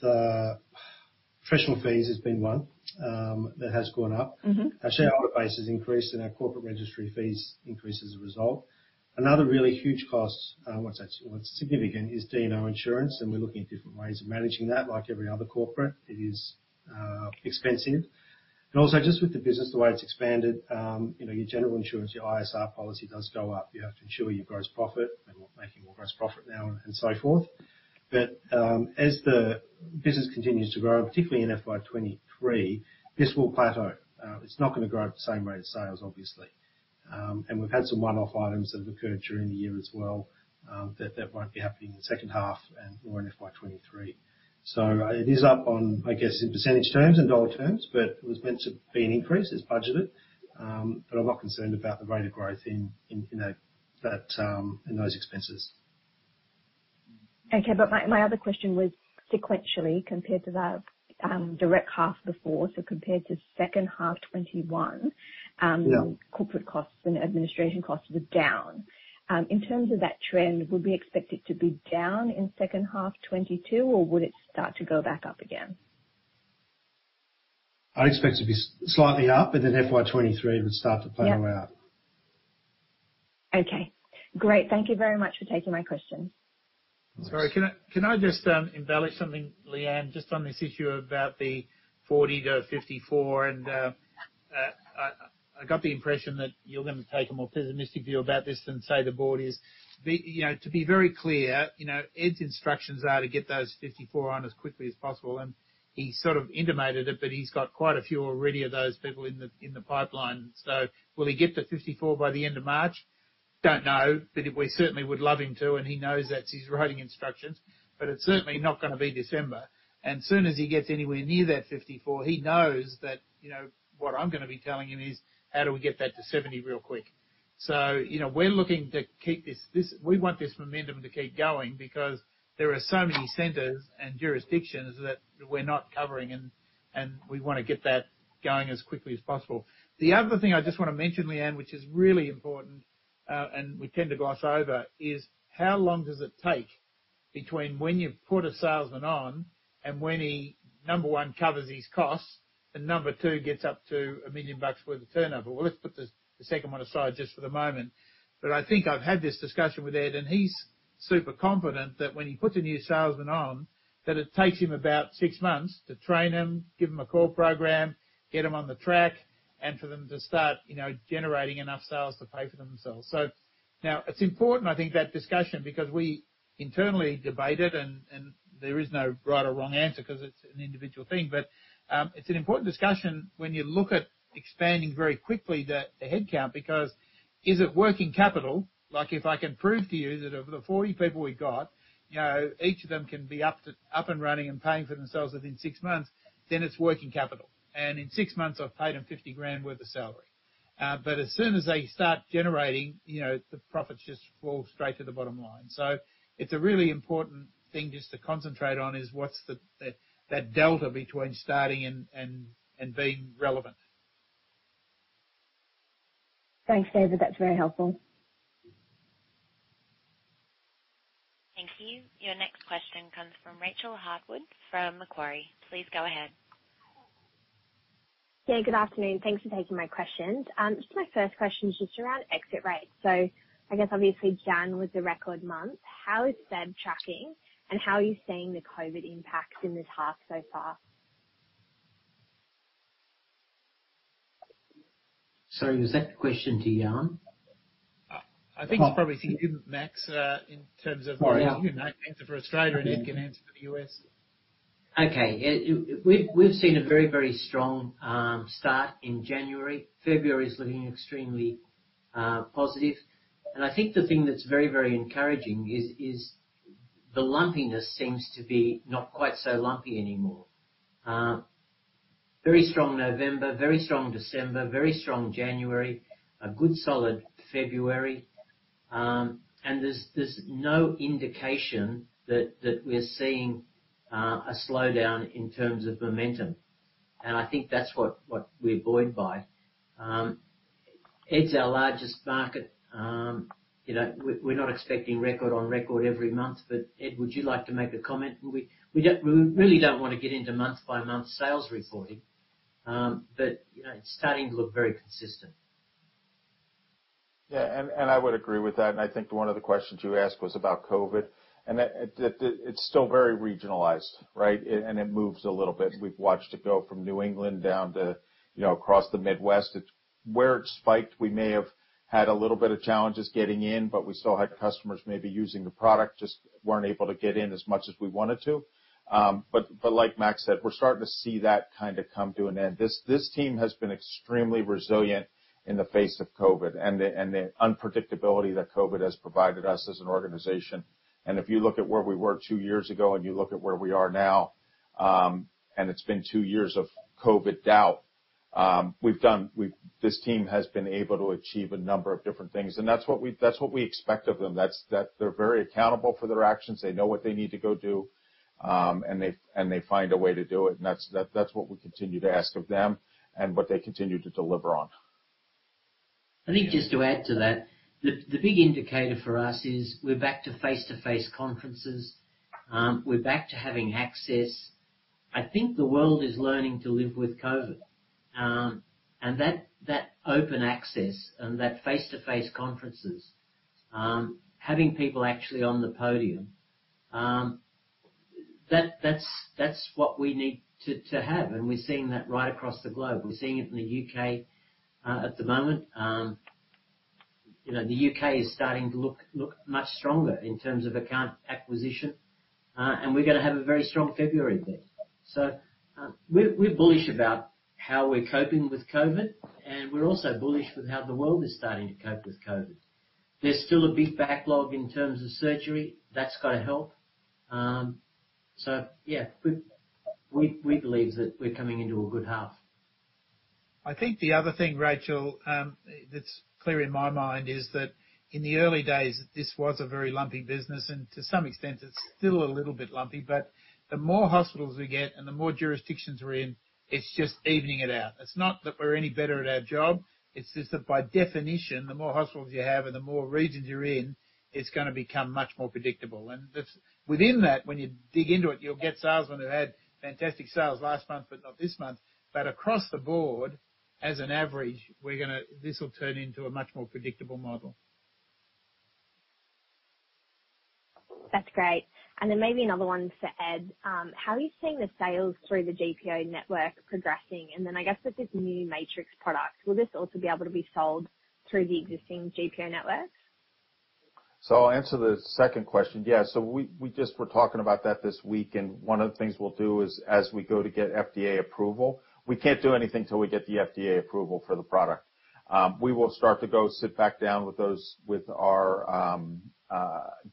professional fees has been one that has gone up. Mm-hmm. Our shareholder base has increased and our corporate registry fees increased as a result. Another really huge cost, well it's significant is D&O insurance, and we're looking at different ways of managing that like every other corporate. It is expensive. Also just with the business, the way it's expanded, you know, your general insurance, your ISR policy does go up. You have to insure your gross profit and we're making more gross profit now and so forth. As the business continues to grow, particularly in FY 2023, this will plateau. It's not gonna grow at the same rate as sales, obviously. We've had some one-off items that have occurred during the year as well, that won't be happening in the second half and or in FY 2023. It is up on, I guess, in percentage terms and dollar terms, but it was meant to be an increase, it's budgeted. I'm not concerned about the rate of growth in that in those expenses. Okay. My other question was sequentially compared to the direct half before, so compared to second half 2021, Yeah. Corporate costs and administration costs were down. In terms of that trend, would we expect it to be down in second half 2022 or would it start to go back up again? I'd expect it to be slightly up, but then FY 2023 would start to plateau out. Yeah. Okay. Great. Thank you very much for taking my questions. Thanks. Sorry, can I just embellish something, Lyanne, just on this issue about the 40-54 and I got the impression that you're gonna take a more pessimistic view about this than, say, the board is. You know, to be very clear, you know, Ed's instructions are to get those 54 on as quickly as possible, and he sort of intimated it, but he's got quite a few already of those people in the pipeline. Will he get to 54 by the end of March? Don't know. We certainly would love him to, and he knows that's his written instructions, but it's certainly not gonna be December. Soon as he gets anywhere near that 54, he knows that, you know, what I'm gonna be telling him is, "How do we get that to 70 real quick?" You know, we're looking to keep this. We want this momentum to keep going because there are so many centers and jurisdictions that we're not covering and we wanna get that going as quickly as possible. The other thing I just wanna mention, Lyanne, which is really important, and we tend to gloss over, is how long does it take- Between when you put a salesman on and when he, number one, covers his costs, and number two, gets up to 1 million bucks worth of turnover. Well, let's put the second one aside just for the moment. I think I've had this discussion with Ed, and he's super confident that when he puts a new salesman on, that it takes him about six months to train them, give them a call program, get them on the track, and for them to start, you know, generating enough sales to pay for themselves. Now it's important, I think that discussion, because we internally debate it and there is no right or wrong answer 'cause it's an individual thing. It's an important discussion when you look at expanding very quickly the headcount, because is it working capital? Like, if I can prove to you that of the 40 people we've got, you know, each of them can be up and running and paying for themselves within 6 months, then it's working capital. In 6 months I've paid them 50,000 worth of salary. As soon as they start generating, you know, the profits just fall straight to the bottom line. It's a really important thing just to concentrate on, is what's that delta between starting and being relevant. Thanks, David. That's very helpful. Thank you. Your next question comes from Rachael Harwood from Macquarie. Please go ahead. Yeah, good afternoon. Thanks for taking my questions. Just my first question is just around exit rates. I guess obviously Jan was the record month. How is Feb tracking and how are you seeing the COVID impacts in this half so far? Sorry, was that question to Jan? I think it's probably to you, Max, in terms of. Oh, yeah. You know, answer for Australia and Ed can answer for the U.S. Okay. We've seen a very strong start in January. February is looking extremely positive. I think the thing that's very encouraging is the lumpiness seems to be not quite so lumpy anymore. Very strong November, very strong December, very strong January, a good solid February. There's no indication that we're seeing a slowdown in terms of momentum. I think that's what we're buoyed by. It's our largest market. You know, we're not expecting record on record every month. Ed, would you like to make a comment? We really don't wanna get into month by month sales reporting. You know, it's starting to look very consistent. Yeah. I would agree with that. I think one of the questions you asked was about COVID. It's still very regionalized, right? It moves a little bit. We've watched it go from New England down to, you know, across the Midwest. Where it spiked, we may have had a little bit of challenges getting in, but we still had customers maybe using the product, just weren't able to get in as much as we wanted to. Like Max said, we're starting to see that kinda come to an end. This team has been extremely resilient in the face of COVID and the unpredictability that COVID has provided us as an organization. If you look at where we were two years ago and you look at where we are now, and it's been two years of COVID doubt, this team has been able to achieve a number of different things, and that's what we expect of them. That's that they're very accountable for their actions. They know what they need to go do, and they find a way to do it. That's what we continue to ask of them and what they continue to deliver on. I think just to add to that, the big indicator for us is we're back to face-to-face conferences. We're back to having access. I think the world is learning to live with COVID, and that open access and that face-to-face conferences, having people actually on the podium, that's what we need to have. We're seeing that right across the globe. We're seeing it in the U.K. at the moment. You know, the U.K. is starting to look much stronger in terms of account acquisition. We're gonna have a very strong February there. We're bullish about how we're coping with COVID, and we're also bullish with how the world is starting to cope with COVID. There's still a big backlog in terms of surgery that's gonna help. Yeah, we believe that we're coming into a good half. I think the other thing, Rachael, that's clear in my mind is that in the early days this was a very lumpy business. To some extent it's still a little bit lumpy. The more hospitals we get and the more jurisdictions we're in, it's just evening it out. It's not that we're any better at our job, it's just that by definition, the more hospitals you have and the more regions you're in, it's gonna become much more predictable. That's within that, when you dig into it, you'll get salesmen who had fantastic sales last month, but not this month. Across the board as an average, we're gonna. This will turn into a much more predictable model. That's great. Maybe another one for Ed. How are you seeing the sales through the GPO network progressing? I guess with this new Matrix product, will this also be able to be sold through the existing GPO network? I'll answer the second question. Yeah. We just were talking about that this week, and one of the things we'll do is as we go to get FDA approval, we can't do anything till we get the FDA approval for the product. We will start to go sit back down with those, with our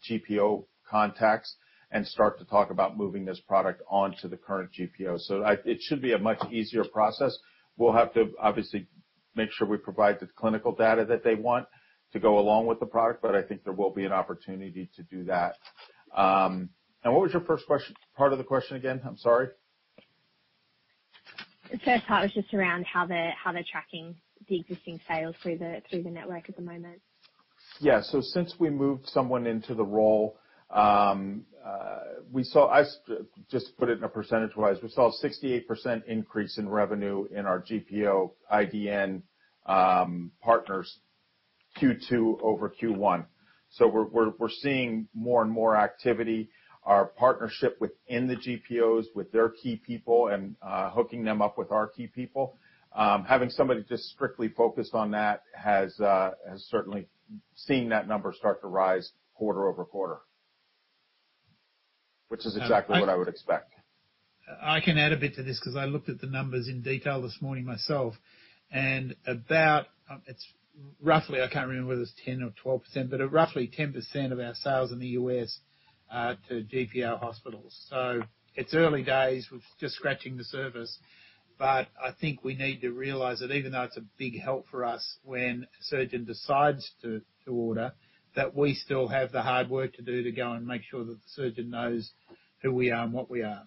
GPO contacts and start to talk about moving this product onto the current GPO. It should be a much easier process. We'll have to obviously make sure we provide the clinical data that they want to go along with the product, but I think there will be an opportunity to do that. What was your first question? Part of the question again? I'm sorry. The first part was just around how they're tracking the existing sales through the network at the moment. Since we moved someone into the role, we saw a 68% increase in revenue in our GPO IDN partners Q2 over Q1. We're seeing more and more activity in our partnership within the GPOs, with their key people and hooking them up with our key people. Having somebody just strictly focused on that has certainly seen that number start to rise quarter-over-quarter, which is exactly what I would expect. I can add a bit to this because I looked at the numbers in detail this morning myself, and about, it's roughly, I can't remember whether it's 10 or 12%, but at roughly 10% of our sales in the U.S. to GPO hospitals. It's early days. We're just scratching the surface. I think we need to realize that even though it's a big help for us when a surgeon decides to order, that we still have the hard work to do to go and make sure that the surgeon knows who we are and what we are.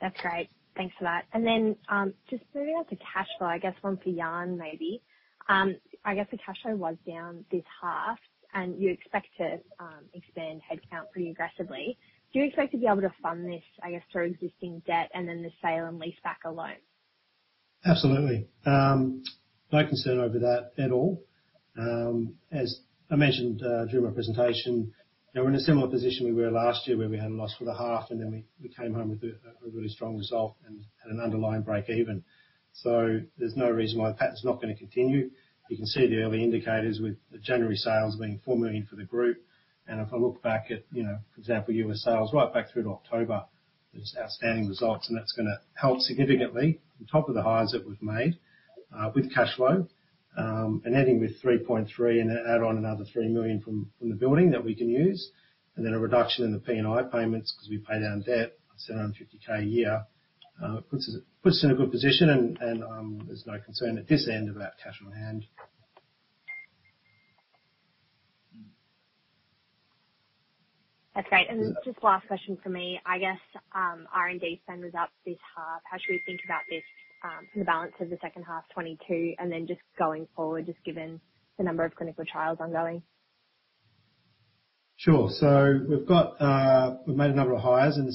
That's great. Thanks for that. Just moving on to cash flow, I guess one for Jan, maybe. I guess the cash flow was down this half, and you expect to expand headcount pretty aggressively. Do you expect to be able to fund this, I guess, through existing debt and then the sale and leaseback alone? Absolutely. No concern over that at all. As I mentioned during my presentation, we're in a similar position we were last year where we had a loss for the half, and then we came home with a really strong result and an underlying break even. There's no reason why the pattern's not gonna continue. You can see the early indicators with the January sales being 4 million for the group. If I look back at, you know, for example, U.S. sales right back through to October, there's outstanding results. That's gonna help significantly on top of the hires that we've made with cash flow and ending with 3.3 million and add on another 3 million from the building that we can use, and then a reduction in the P&I payments because we pay down debt, I'd say around 50K a year. It puts us in a good position. There's no concern at this end about cash on hand. That's great. Just last question from me, I guess, R&D spend was up this half. How should we think about this, in the balance of the second half 2022, and then just going forward, just given the number of clinical trials ongoing? Sure. We've made a number of hires in the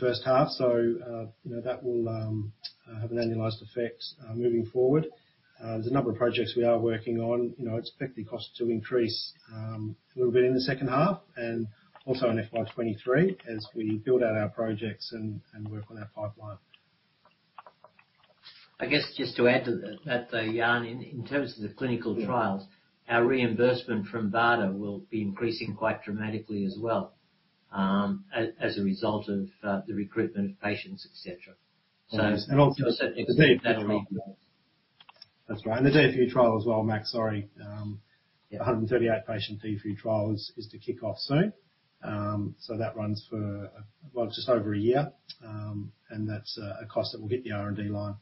first half. You know, that will have an annualized effect moving forward. The number of projects we are working on, you know, we expect the cost to increase a little bit in the second half and also in FY 2023 as we build out our projects and work on our pipeline. I guess just to add to that, though, Jan, in terms of the clinical trials, our reimbursement from BARDA will be increasing quite dramatically as well, as a result of the recruitment of patients, et cetera. That's right. The DFU trial as well, Max, sorry. A 138 patient DFU trial is to kick off soon. That runs for, well, just over a year. That's a cost that will hit the R&D line.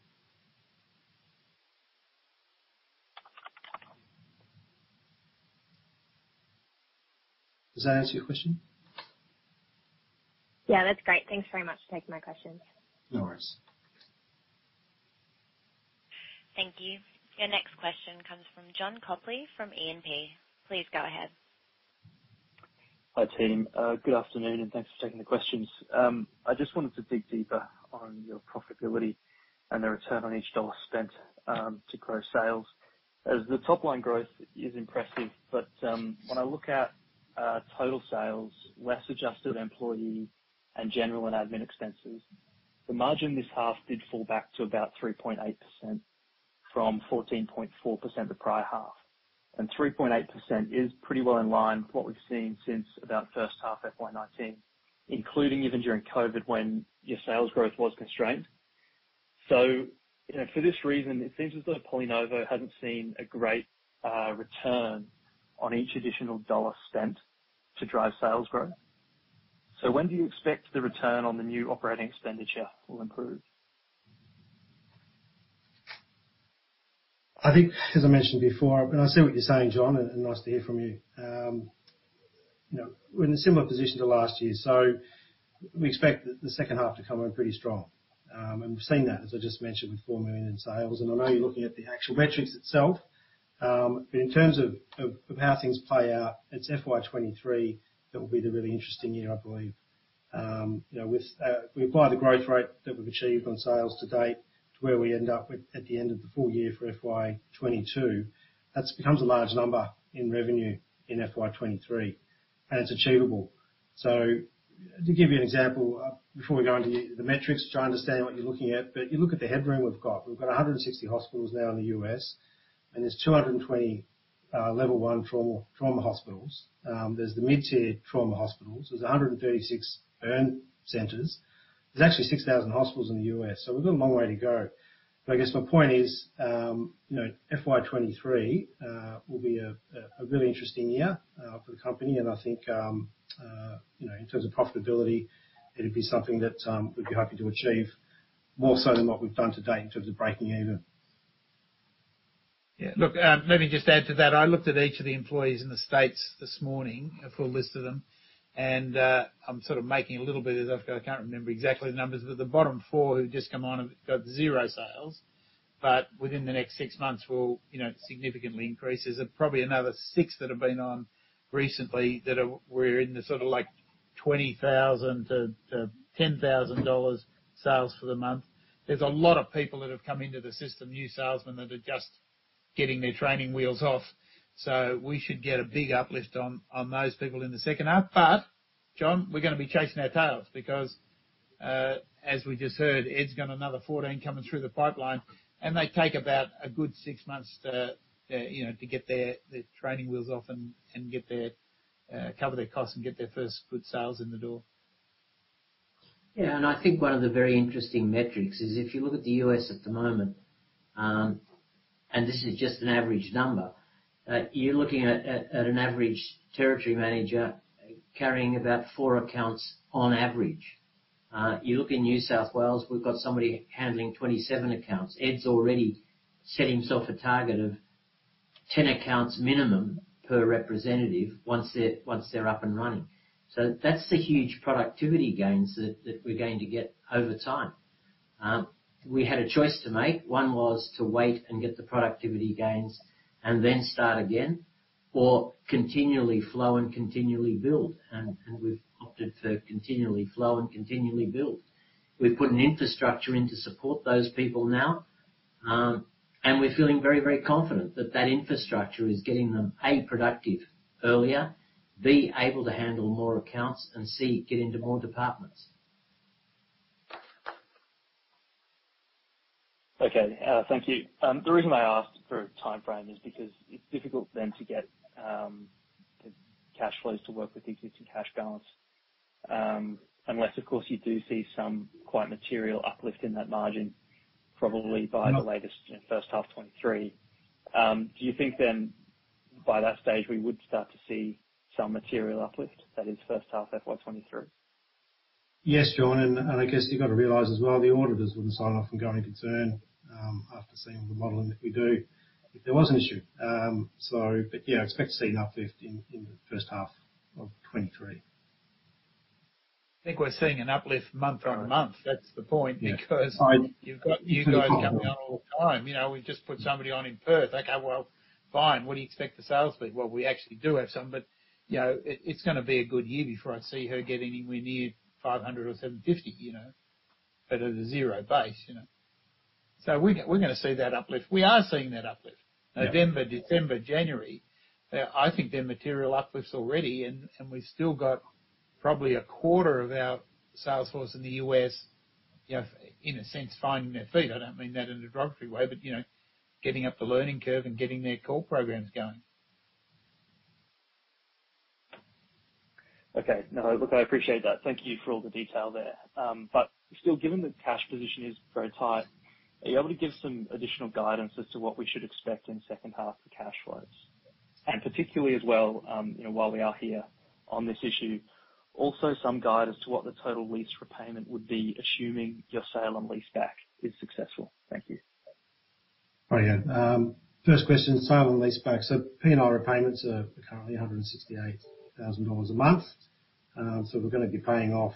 Does that answer your question? Yeah, that's great. Thanks very much for taking my questions. No worries. Thank you. Your next question comes from John Copley from ENP. Please go ahead. Hi, team. Good afternoon, and thanks for taking the questions. I just wanted to dig deeper on your profitability and the return on each dollar spent to grow sales. As the top line growth is impressive, but when I look at total sales, less adjusted employee and general and admin expenses, the margin this half did fall back to about 3.8% from 14.4% the prior half. 3.8% is pretty well in line with what we've seen since about first half FY 2019, including even during COVID, when your sales growth was constrained. You know, for this reason, it seems as though PolyNovo hasn't seen a great return on each additional dollar spent to drive sales growth. When do you expect the return on the new operating expenditure will improve? I think, as I mentioned before, and I see what you're saying, John, and nice to hear from you. You know, we're in a similar position to last year, so we expect the second half to come in pretty strong. We've seen that, as I just mentioned, with 4 million in sales. I know you're looking at the actual metrics itself, but in terms of how things play out, it's FY 2023 that will be the really interesting year, I believe. You know, we apply the growth rate that we've achieved on sales to date to where we end up at the end of the full year for FY 2022, that becomes a large number in revenue in FY 2023, and it's achievable. To give you an example, before we go into the metrics, which I understand what you're looking at, but you look at the headroom we've got. We've got 160 hospitals now in the U.S., and there's 220 level one trauma hospitals. There's the mid-tier trauma hospitals. There's 136 burn centers. There's actually 6,000 hospitals in the U.S., so we've got a long way to go. I guess my point is, you know, FY 2023 will be a really interesting year for the company. I think, you know, in terms of profitability, it'll be something that we'd be happy to achieve more so than what we've done to date in terms of breaking even. Let me just add to that. I looked at each of the employees in the States this morning, a full list of them, and I'm sort of making a little bit of it up 'cause I can't remember exactly the numbers, but the bottom 4 who've just come on have got $0 sales. Within the next 6 months will, you know, significantly increase. There's probably another 6 that have been on recently that are in the sort of like $20,000-$10,000 sales for the month. There's a lot of people that have come into the system, new salesmen, that are just getting their training wheels off. We should get a big uplift on those people in the second half. John, we're gonna be chasing our tails because as we just heard, Ed's got another 14 coming through the pipeline, and they take about a good six months to you know, to get their training wheels off and get to cover their costs and get their first good sales in the door. Yeah. I think one of the very interesting metrics is if you look at the U.S. at the moment, and this is just an average number, you're looking at an average territory manager carrying about four accounts on average. You look in New South Wales, we've got somebody handling 27 accounts. Ed's already set himself a target of 10 accounts minimum per representative once they're up and running. That's the huge productivity gains that we're going to get over time. We had a choice to make. One was to wait and get the productivity gains and then start again or continually flow and continually build, and we've opted for continually flow and continually build. We've put an infrastructure in to support those people now, and we're feeling very, very confident that that infrastructure is getting them, A, productive earlier, B, able to handle more accounts, and C, get into more departments. Okay. Thank you. The reason I asked for a timeframe is because it's difficult then to get the cash flows to work with the existing cash balance, unless, of course, you do see some quite material uplift in that margin, probably by the latest first half 2023. Do you think then by that stage we would start to see some material uplift, that is first half FY 2023? Yes, John. You've got to realize as well the auditors wouldn't sign off on going concern after seeing the modeling that we do if there was an issue. Yeah, expect to see an uplift in the first half of 2023. I think we're seeing an uplift month-over-month. That's the point. Yeah. Because you've got you guys coming on all the time. You know, we've just put somebody on in Perth. Okay, well, fine, what do you expect the sales to be? Well, we actually do have some, but, you know, it's gonna be a good year before I see her get anywhere near 500 or 750, you know? But at a zero base, you know. We're gonna see that uplift. We are seeing that uplift. Yeah. November, December, January. I think they're material uplifts already and we've still got probably a quarter of our sales force in the U.S., you know, in a sense, finding their feet. I don't mean that in a derogatory way, but you know, getting up the learning curve and getting their call programs going. Okay. No, look, I appreciate that. Thank you for all the detail there. Still, given the cash position is very tight, are you able to give some additional guidance as to what we should expect in second half for cash flows? Particularly as well, you know, while we are here on this issue, also some guide as to what the total lease repayment would be, assuming your sale and leaseback is successful. Thank you. Alright, first question, sale and leaseback. P&I repayments are currently 168,000 dollars a month. We're gonna be paying off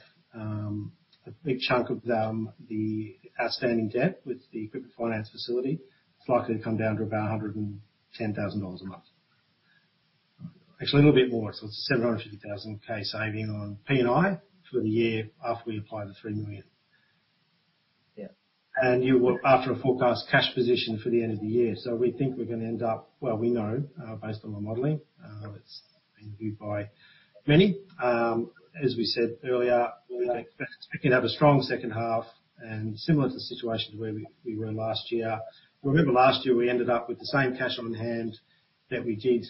a big chunk of them, the outstanding debt with the equipment finance facility. It's likely to come down to about 110,000 dollars a month. Actually, a little bit more. It's 750,000 saving on P&I for the year after we apply the 3 million. Yeah. Our forecast cash position for the end of the year. We think we're gonna end up, well, we know, based on the modeling, it's been viewed by many, as we said earlier, we're expecting to have a strong second half and similar to the situation to where we were last year. Remember last year, we ended up with the same cash on hand that we did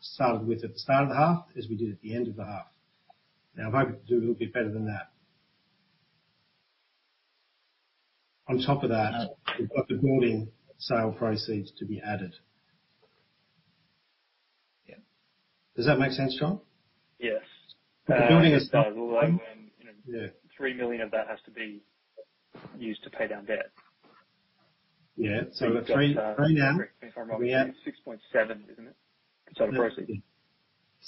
started with at the start of the half, as we did at the end of the half. Now we're hoping to do a little bit better than that. On top of that, we've got the building sale proceeds to be added. Yeah. Does that make sense, John? Yes. The building aside. Although when, you know. Yeah. 3 million of that has to be used to pay down debt. Yeah. The three down- If I'm right, 6.7, isn't it? Total proceeds.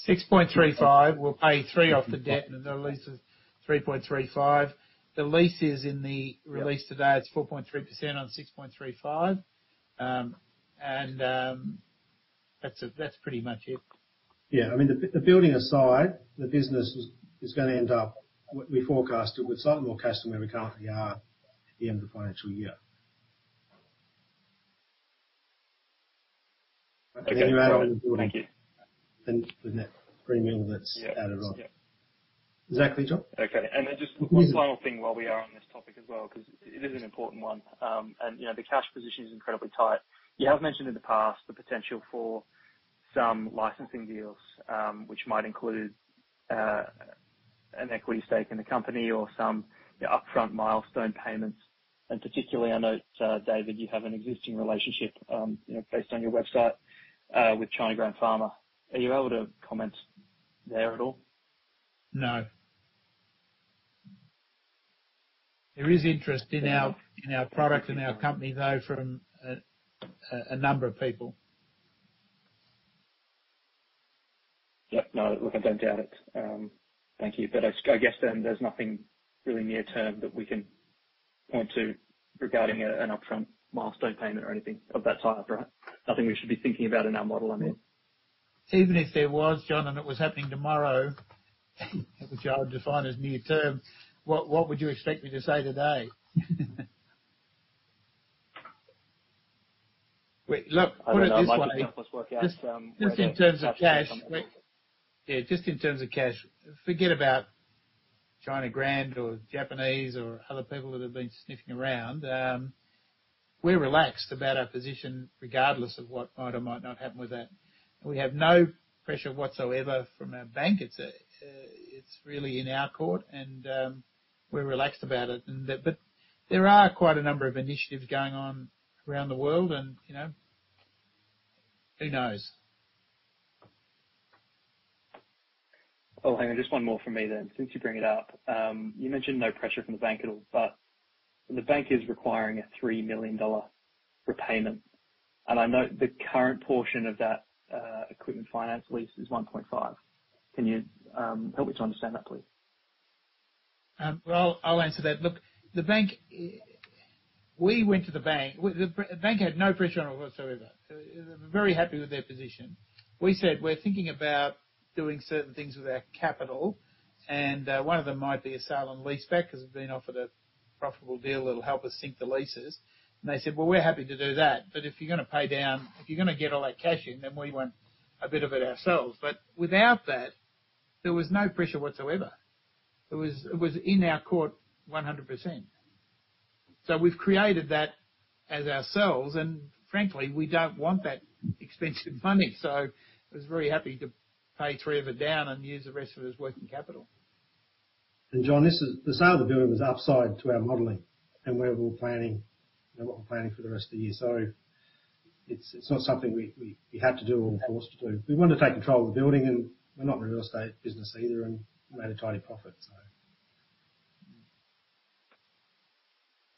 6.35. We'll pay 3 off the debt, and the lease is 3.35. The lease is in the release today. It's 4.3% on 6.35. That's pretty much it. Yeah. I mean, the building aside, the business is gonna end up. We forecast it with slightly more cushion where we currently are at the end of the financial year. Okay. You add in the building. Thank you. With that AUD 3 million that's added on. Yeah. Is that clear, John? Okay. Just one final thing while we are on this topic as well, 'cause it is an important one. You know, the cash position is incredibly tight. You have mentioned in the past the potential for some licensing deals, which might include an equity stake in the company or some, you know, upfront milestone payments. Particularly, I note, David, you have an existing relationship, you know, based on your website, with China Grand Pharma. Are you able to comment there at all? No. There is interest in our product and our company though from a number of people. Yeah. No, look, I don't doubt it. Thank you. I guess then there's nothing really near term that we can point to regarding a, an upfront milestone payment or anything of that type, right? Nothing we should be thinking about in our model, I mean. Even if there was, John, and it was happening tomorrow, which I would define as near term, what would you expect me to say today? Look, put it this way. I don't know. Might be helpful to work out whether. Just in terms of cash. or not. Yeah. Just in terms of cash, forget about China Grand or Japanese or other people that have been sniffing around. We're relaxed about our position regardless of what might or might not happen with that. We have no pressure whatsoever from our bank. It's really in our court and we're relaxed about it and that. There are quite a number of initiatives going on around the world and, you know, who knows? Oh, hang on just one more from me then. Since you bring it up, you mentioned no pressure from the bank at all, but the bank is requiring a 3 million dollar repayment, and I note the current portion of that equipment finance lease is 1.5 million. Can you help me to understand that, please? Well, I'll answer that. Look, the bank. We went to the bank. The bank had no pressure on us whatsoever. They're very happy with their position. We said, "We're thinking about doing certain things with our capital, and one of them might be a sale and leaseback because we've been offered a profitable deal that'll help us sign the leases." They said, "Well, we're happy to do that, but if you're gonna pay down, if you're gonna get all that cash in, then we want a bit of it ourselves." Without that, there was no pressure whatsoever. It was in our court 100%. We've created that ourselves, and frankly, we don't want that expensive money. I was very happy to pay 3 of it down and use the rest of it as working capital. John, this is the sale of the building was upside to our modeling and where we were planning and what we're planning for the rest of the year. It's not something we had to do or were forced to do. We wanted to take control of the building, and we're not in the real estate business either, and we made a tidy profit.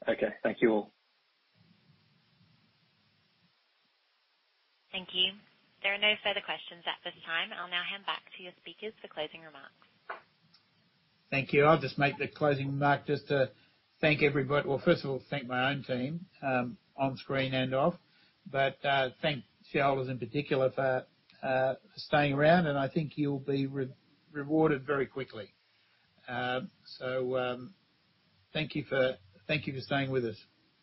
Okay. Thank you all. Thank you. There are no further questions at this time. I'll now hand back to your speakers for closing remarks. Thank you. I'll just make the closing remark just to thank everybody. Well, first of all, thank my own team on screen and off. Thank shareholders in particular for staying around, and I think you'll be rewarded very quickly. Thank you for staying with us.